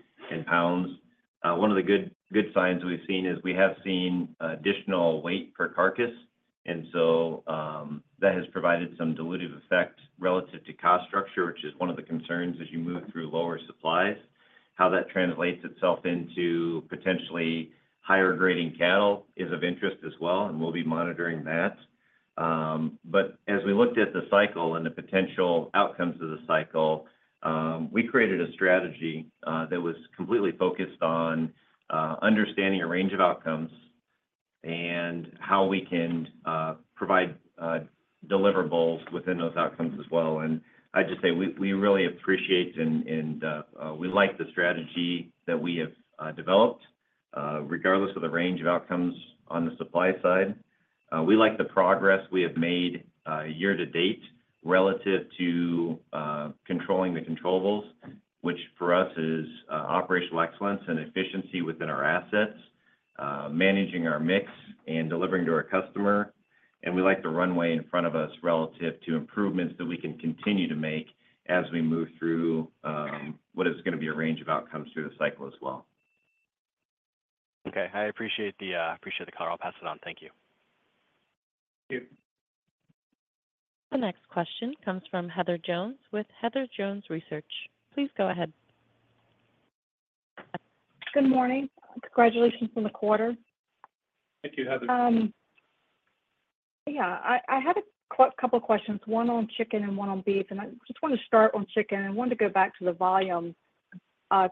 pounds. One of the good signs we've seen is we have seen additional weight per carcass. So that has provided some dilutive effect relative to cost structure, which is one of the concerns as you move through lower supplies. How that translates itself into potentially higher grading cattle is of interest as well, and we'll be monitoring that. As we looked at the cycle and the potential outcomes of the cycle, we created a strategy that was completely focused on understanding a range of outcomes and how we can provide deliverables within those outcomes as well. And I'd just say we really appreciate and we like the strategy that we have developed, regardless of the range of outcomes on the supply side. We like the progress we have made year to date relative to controlling the controllables, which for us is operational excellence and efficiency within our assets, managing our mix, and delivering to our customer. And we like the runway in front of us relative to improvements that we can continue to make as we move through what is going to be a range of outcomes through the cycle as well. Okay. I appreciate the call. I'll pass it on. Thank you. Thank you. The next question comes from Heather Jones with Heather Jones Research. Please go ahead. Good morning. Congratulations on the quarter. Thank you, Heather. Yeah. I have a couple of questions, one on chicken and one on beef. And I just want to start on chicken and want to go back to the volume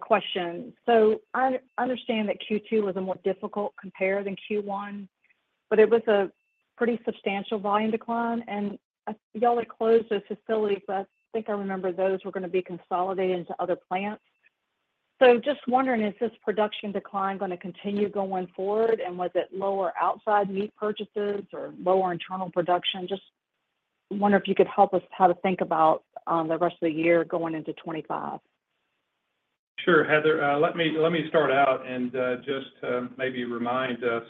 question. So I understand that Q2 was a more difficult compare than Q1, but it was a pretty substantial volume decline. And y'all had closed those facilities, but I think I remember those were going to be consolidated into other plants. So just wondering, is this production decline going to continue going forward? And was it lower outside meat purchases or lower internal production? Just wonder if you could help us how to think about the rest of the year going into 2025. Sure, Heather. Let me start out and just maybe remind us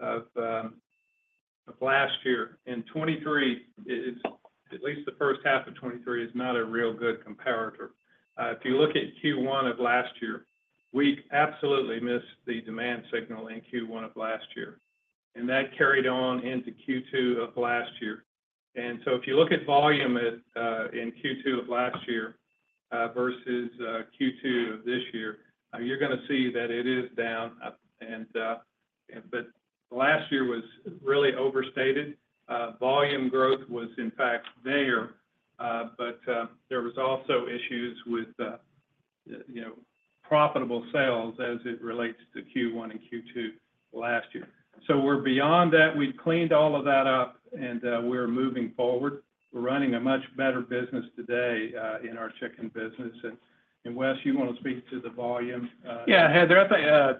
of last year. In 2023, at least the first half of 2023, is not a real good comparator. If you look at Q1 of last year, we absolutely missed the demand signal in Q1 of last year. And that carried on into Q2 of last year. And so if you look at volume in Q2 of last year versus Q2 of this year, you're going to see that it is down. But last year was really overstated. Volume growth was, in fact, there, but there was also issues with profitable sales as it relates to Q1 and Q2 last year. So we're beyond that. We've cleaned all of that up, and we're moving forward. We're running a much better business today in our chicken business. And Wes, you want to speak to the volume? Yeah, Heather.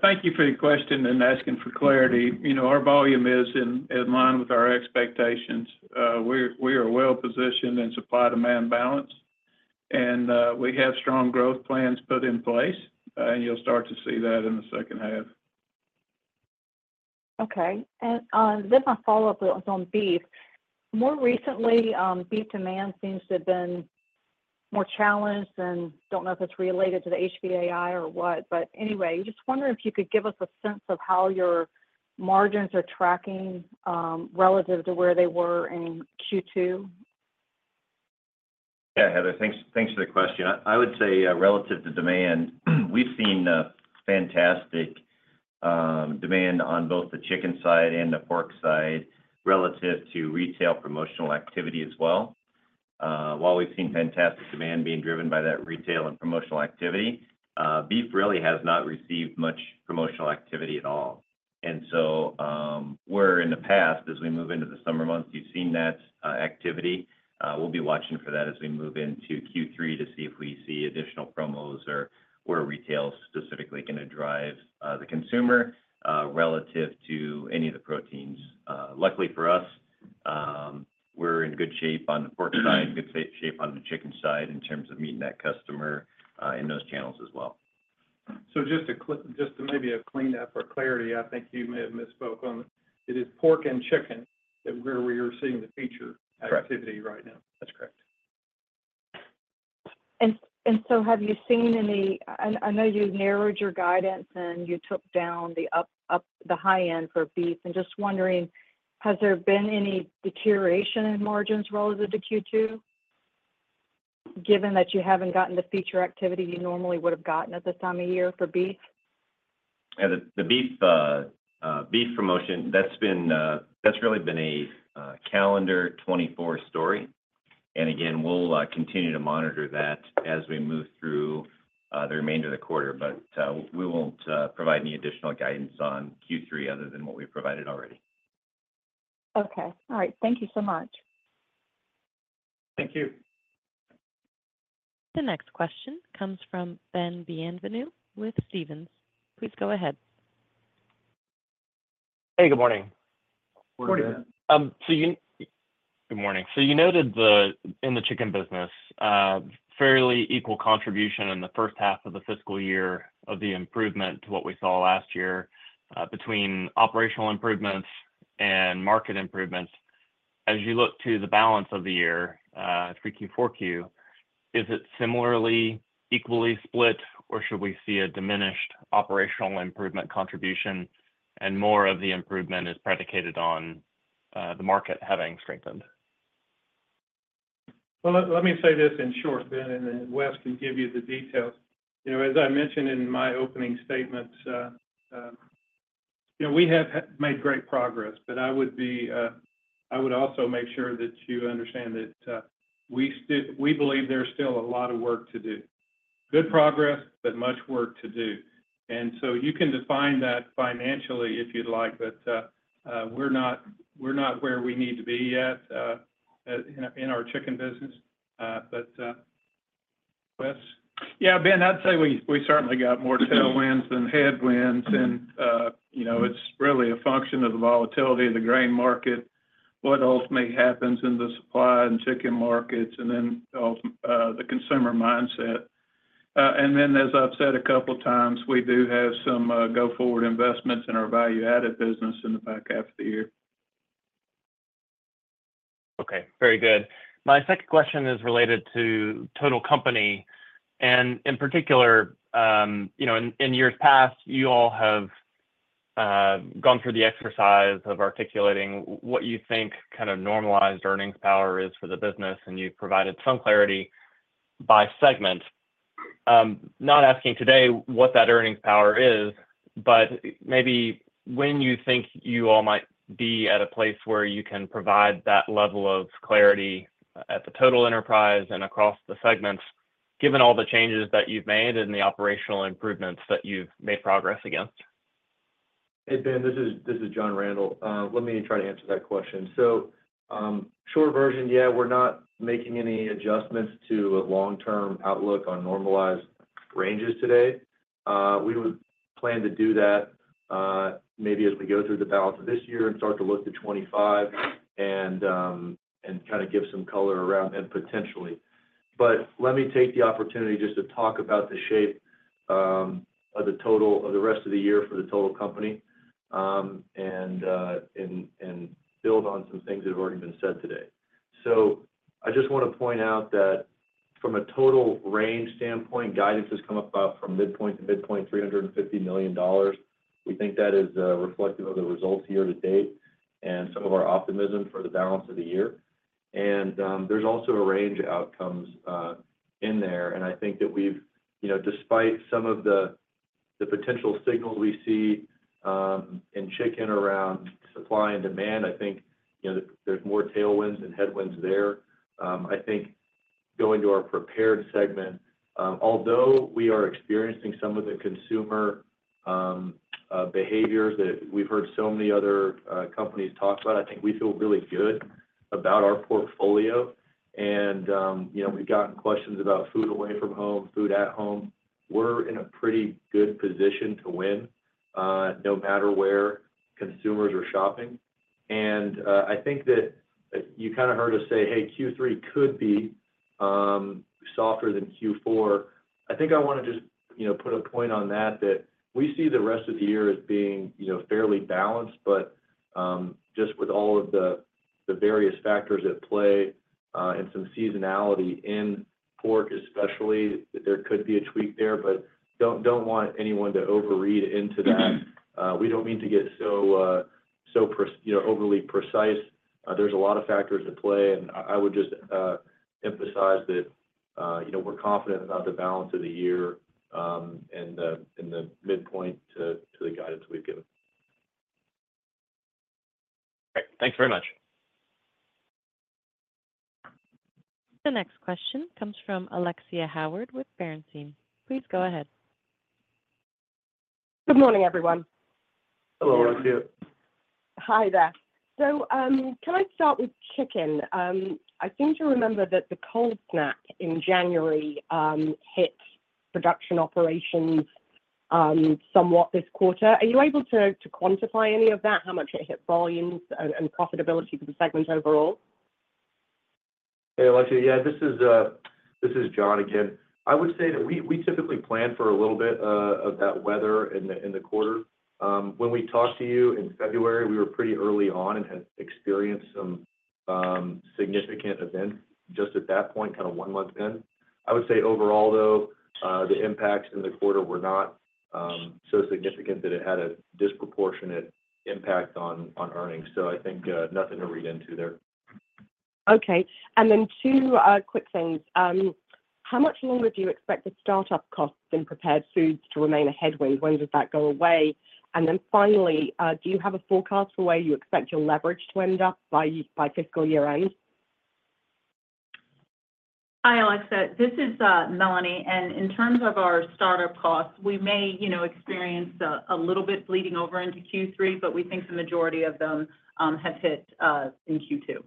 Thank you for the question and asking for clarity. Our volume is in line with our expectations. We are well-positioned in supply-demand balance, and we have strong growth plans put in place. You'll start to see that in the second half. Okay. And then my follow-up was on beef. More recently, beef demand seems to have been more challenged, and I don't know if it's related to the HPAI or what. But anyway, just wondering if you could give us a sense of how your margins are tracking relative to where they were in Q2? Yeah, Heather. Thanks for the question. I would say relative to demand, we've seen fantastic demand on both the chicken side and the pork side relative to retail promotional activity as well. While we've seen fantastic demand being driven by that retail and promotional activity, beef really has not received much promotional activity at all. And so in the past, as we move into the summer months, you've seen that activity. We'll be watching for that as we move into Q3 to see if we see additional promos or where retail specifically is going to drive the consumer relative to any of the proteins. Luckily for us, we're in good shape on the pork side, good shape on the chicken side in terms of meeting that customer in those channels as well. Just to maybe clean up or for clarity, I think you may have misspoken. It is pork and chicken where we are seeing the greater activity right now. Correct. That's correct. So have you seen any? I know you narrowed your guidance, and you took down the high end for beef. Just wondering, has there been any deterioration in margins relative to Q2, given that you haven't gotten the feeder activity you normally would have gotten at this time of year for beef? Yeah. The beef promotion, that's really been a calendar 2024 story. And again, we'll continue to monitor that as we move through the remainder of the quarter. But we won't provide any additional guidance on Q3 other than what we've provided already. Okay. All right. Thank you so much. Thank you. The next question comes from Ben Bienvenu with Stephens. Please go ahead. Hey. Good morning. Morning, Ben. You noted in the chicken business fairly equal contribution in the first half of the fiscal year of the improvement to what we saw last year between operational improvements and market improvements. As you look to the balance of the year, 3Q, 4Q, is it similarly equally split, or should we see a diminished operational improvement contribution and more of the improvement is predicated on the market having strengthened? Well, let me say this in short, Ben, and then Wes can give you the details. As I mentioned in my opening statements, we have made great progress. But I would also make sure that you understand that we believe there's still a lot of work to do. Good progress, but much work to do. And so you can define that financially if you'd like, but we're not where we need to be yet in our chicken business. But Wes? Yeah, Ben, I'd say we certainly got more tailwinds than headwinds. And it's really a function of the volatility of the grain market, what ultimately happens in the supply and chicken markets, and then the consumer mindset. And then, as I've said a couple of times, we do have some go-forward investments in our value-added business in the back half of the year. Okay. Very good. My second question is related to total company. In particular, in years past, you all have gone through the exercise of articulating what you think kind of normalized earnings power is for the business. You've provided some clarity by segment. Not asking today what that earnings power is, but maybe when you think you all might be at a place where you can provide that level of clarity at the total enterprise and across the segments, given all the changes that you've made and the operational improvements that you've made progress against? Hey, Ben. This is John R. Tyson. Let me try to answer that question. So short version, yeah, we're not making any adjustments to a long-term outlook on normalized ranges today. We would plan to do that maybe as we go through the balance of this year and start to look to 2025 and kind of give some color around that potentially. But let me take the opportunity just to talk about the shape of the rest of the year for the total company and build on some things that have already been said today. So I just want to point out that from a total range standpoint, guidance has come up from midpoint to midpoint, $350 million. We think that is reflective of the results year to date and some of our optimism for the balance of the year. And there's also a range of outcomes in there. I think that despite some of the potential signals we see in chicken around supply and demand, I think there's more tailwinds and headwinds there. I think going to our prepared segment, although we are experiencing some of the consumer behaviors that we've heard so many other companies talk about, I think we feel really good about our portfolio. And we've gotten questions about food away from home, food at home. We're in a pretty good position to win no matter where consumers are shopping. And I think that you kind of heard us say, "Hey, Q3 could be softer than Q4." I think I want to just put a point on that, that we see the rest of the year as being fairly balanced. But just with all of the various factors at play and some seasonality in pork especially, there could be a tweak there. But don't want anyone to overread into that. We don't mean to get so overly precise. There's a lot of factors at play. And I would just emphasize that we're confident about the balance of the year and the midpoint to the guidance we've given. Great. Thanks very much. The next question comes from Alexia Howard with Bernstein. Please go ahead. Good morning, everyone. Hello, Alexia. Hi, there. So can I start with chicken? I seem to remember that the cold snap in January hit production operations somewhat this quarter. Are you able to quantify any of that, how much it hit volumes and profitability for the segment overall? Hey, Alexia. Yeah, this is John again. I would say that we typically plan for a little bit of that weather in the quarter. When we talked to you in February, we were pretty early on and had experienced some significant events just at that point, kind of one month in. I would say overall, though, the impacts in the quarter were not so significant that it had a disproportionate impact on earnings. So I think nothing to read into there. Okay. And then two quick things. How much longer do you expect the startup costs in Prepared Foods to remain a headwind? When does that go away? And then finally, do you have a forecast for where you expect your leverage to end up by fiscal year-end? Hi, Alexia. This is Melanie. In terms of our startup costs, we may experience a little bit bleeding over into Q3, but we think the majority of them have hit in Q2.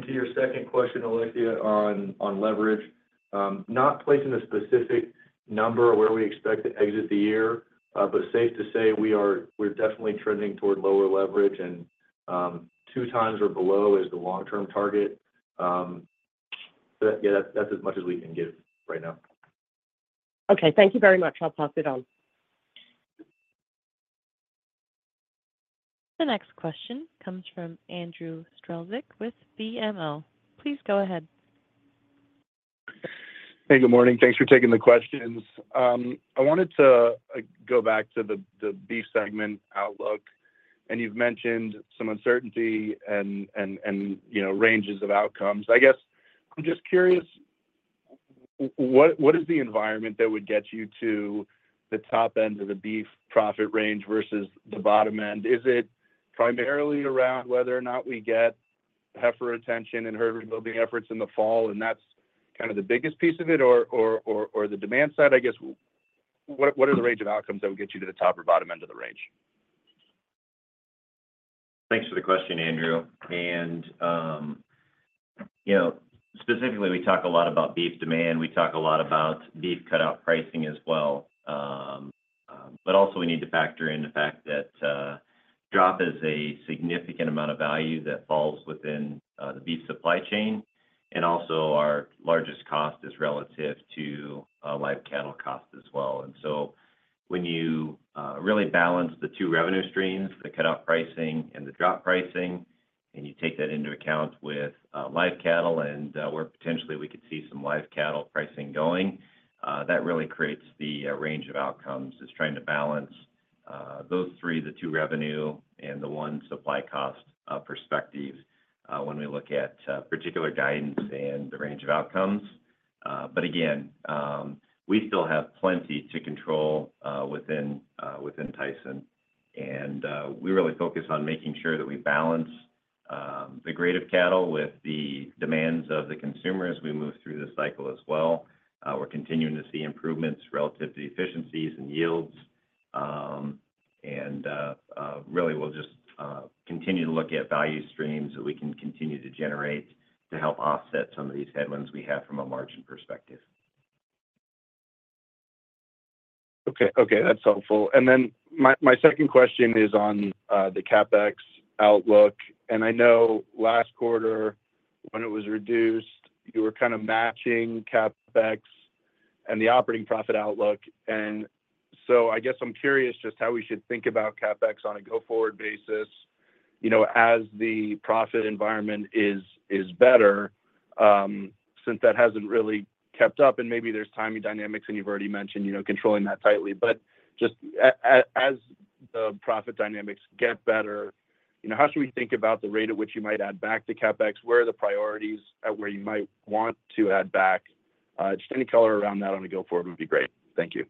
To your second question, Alexia, on leverage, not placing a specific number of where we expect to exit the year, but safe to say we're definitely trending toward lower leverage. 2x or below is the long-term target. Yeah, that's as much as we can give right now. Okay. Thank you very much. I'll pass it on. The next question comes from Andrew Strelzik with BMO. Please go ahead. Hey, good morning. Thanks for taking the questions. I wanted to go back to the beef segment outlook. You've mentioned some uncertainty and ranges of outcomes. I guess I'm just curious, what is the environment that would get you to the top end of the beef profit range versus the bottom end? Is it primarily around whether or not we get heifer retention and herd rebuilding efforts in the fall? And that's kind of the biggest piece of it? Or the demand side, I guess, what are the range of outcomes that would get you to the top or bottom end of the range? Thanks for the question, Andrew. Specifically, we talk a lot about beef demand. We talk a lot about beef cutout pricing as well. We also need to factor in the fact that drop is a significant amount of value that falls within the beef supply chain. Our largest cost is relative to live cattle cost as well. So when you really balance the two revenue streams, the cutout pricing and the drop pricing, and you take that into account with live cattle and where potentially we could see some live cattle pricing going, that really creates the range of outcomes. It's trying to balance those three, the two revenue and the one supply cost perspectives when we look at particular guidance and the range of outcomes. Again, we still have plenty to control within Tyson. We really focus on making sure that we balance the grade of cattle with the demands of the consumer as we move through the cycle as well. We're continuing to see improvements relative to efficiencies and yields. Really, we'll just continue to look at value streams that we can continue to generate to help offset some of these headwinds we have from a margin perspective. Okay. Okay. That's helpful. Then my second question is on the CapEx outlook. I know last quarter, when it was reduced, you were kind of matching CapEx and the operating profit outlook. So I guess I'm curious just how we should think about CapEx on a go-forward basis as the profit environment is better since that hasn't really kept up. Maybe there's timing dynamics, and you've already mentioned controlling that tightly. Just as the profit dynamics get better, how should we think about the rate at which you might add back to CapEx? Where are the priorities at, where you might want to add back? Just any color around that on a go-forward would be great. Thank you.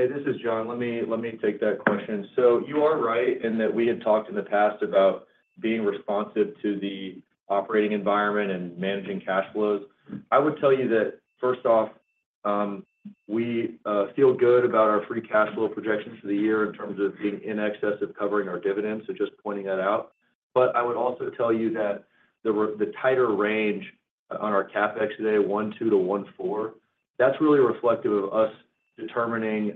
Hey, this is John. Let me take that question. So you are right in that we had talked in the past about being responsive to the operating environment and managing cash flows. I would tell you that, first off, we feel good about our free cash flow projections for the year in terms of being in excess of covering our dividends. So just pointing that out. But I would also tell you that the tighter range on our CapEx today, $1.2 billion-$1.4 billion, that's really reflective of us determining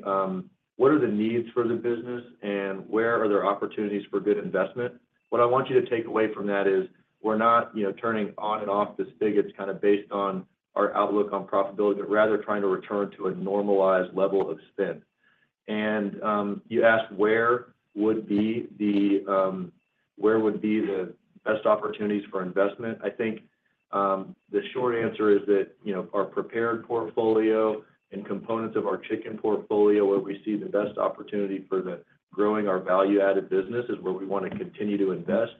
what are the needs for the business and where are there opportunities for good investment. What I want you to take away from that is we're not turning on and off this figure. It's kind of based on our outlook on profitability, but rather trying to return to a normalized level of spend. You asked where would be the best opportunities for investment. I think the short answer is that our prepared portfolio and components of our chicken portfolio, where we see the best opportunity for growing our value-added business, is where we want to continue to invest.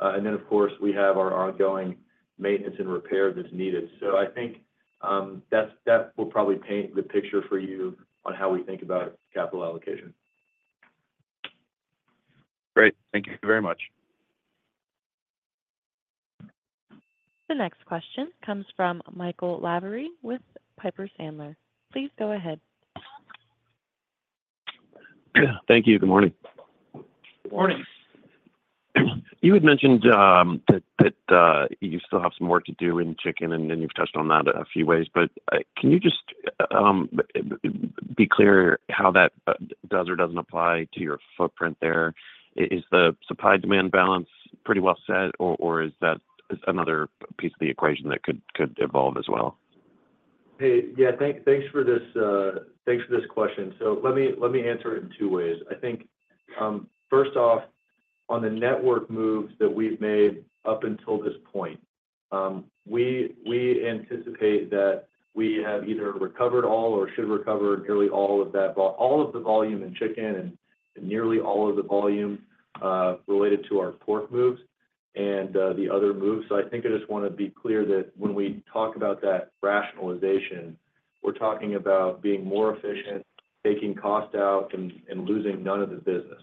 And then, of course, we have our ongoing maintenance and repair that's needed. I think that will probably paint the picture for you on how we think about capital allocation. Great. Thank you very much. The next question comes from Michael Lavery with Piper Sandler. Please go ahead. Thank you. Good morning. Good morning. You had mentioned that you still have some work to do in chicken, and then you've touched on that a few ways. But can you just be clear how that does or doesn't apply to your footprint there? Is the supply-demand balance pretty well set, or is that another piece of the equation that could evolve as well? Hey, yeah, thanks for this. Thanks for this question. So let me answer it in two ways. I think, first off, on the network moves that we've made up until this point, we anticipate that we have either recovered all or should recover nearly all of that, all of the volume in chicken and nearly all of the volume related to our pork moves and the other moves. So I think I just want to be clear that when we talk about that rationalization, we're talking about being more efficient, taking cost out, and losing none of the business.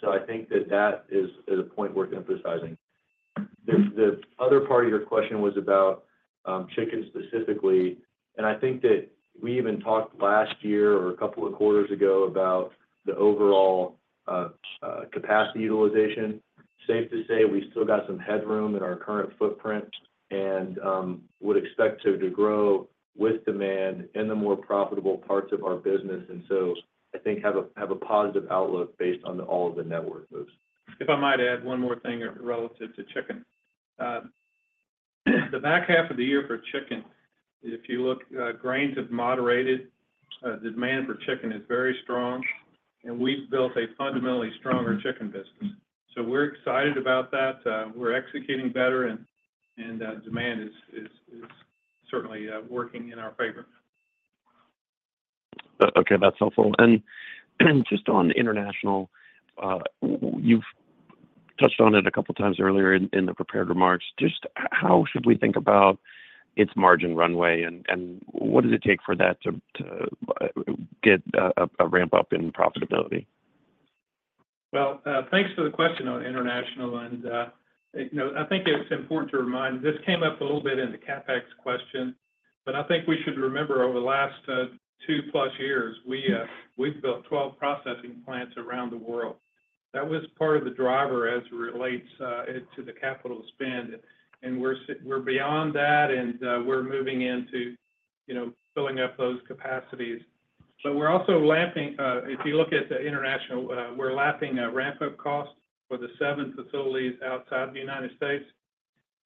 So I think that that is a point worth emphasizing. The other part of your question was about chicken specifically. And I think that we even talked last year or a couple of quarters ago about the overall capacity utilization. Safe to say we still got some headroom in our current footprint and would expect to grow with demand in the more profitable parts of our business. And so I think have a positive outlook based on all of the network moves. If I might add one more thing relative to chicken. The back half of the year for chicken, if you look, grains have moderated. The demand for chicken is very strong. We've built a fundamentally stronger chicken business. We're excited about that. We're executing better, and demand is certainly working in our favor. Okay. That's helpful. Just on international, you've touched on it a couple of times earlier in the prepared remarks. Just how should we think about its margin runway? And what does it take for that to get a ramp-up in profitability? Well, thanks for the question on international. I think it's important to remind this came up a little bit in the CapEx question. But I think we should remember, over the last 2+ years, we've built 12 processing plants around the world. That was part of the driver as it relates to the capital spend. And we're beyond that, and we're moving into filling up those capacities. But we're also lapping if you look at the international, we're lapping a ramp-up cost for the 7 facilities outside the United States.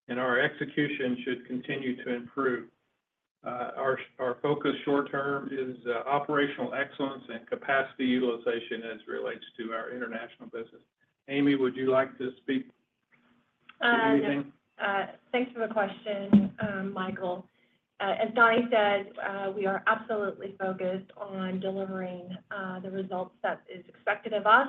And our execution should continue to improve. Our focus short-term is operational excellence and capacity utilization as it relates to our international business. Amy, would you like to speak to anything? Thanks for the question, Michael. As Donnie said, we are absolutely focused on delivering the results that is expected of us.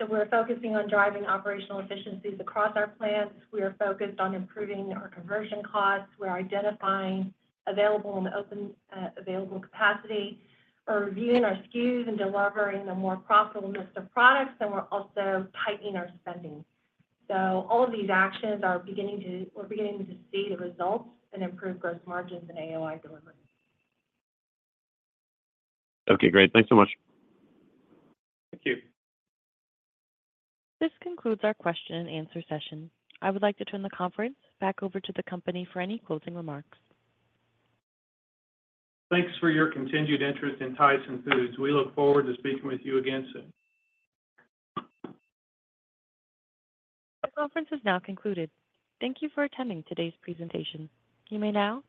So we're focusing on driving operational efficiencies across our plants. We are focused on improving our conversion costs. We're identifying available and open capacity. We're reviewing our SKUs and delivering the more profitable mix of products. And we're also tightening our spending. So all of these actions, we're beginning to see the results and improve gross margins and AOI delivery. Okay. Great. Thanks so much. Thank you. This concludes our question and answer session. I would like to turn the conference back over to the company for any closing remarks. Thanks for your continued interest in Tyson Foods. We look forward to speaking with you again soon. The conference is now concluded. Thank you for attending today's presentation. You may now.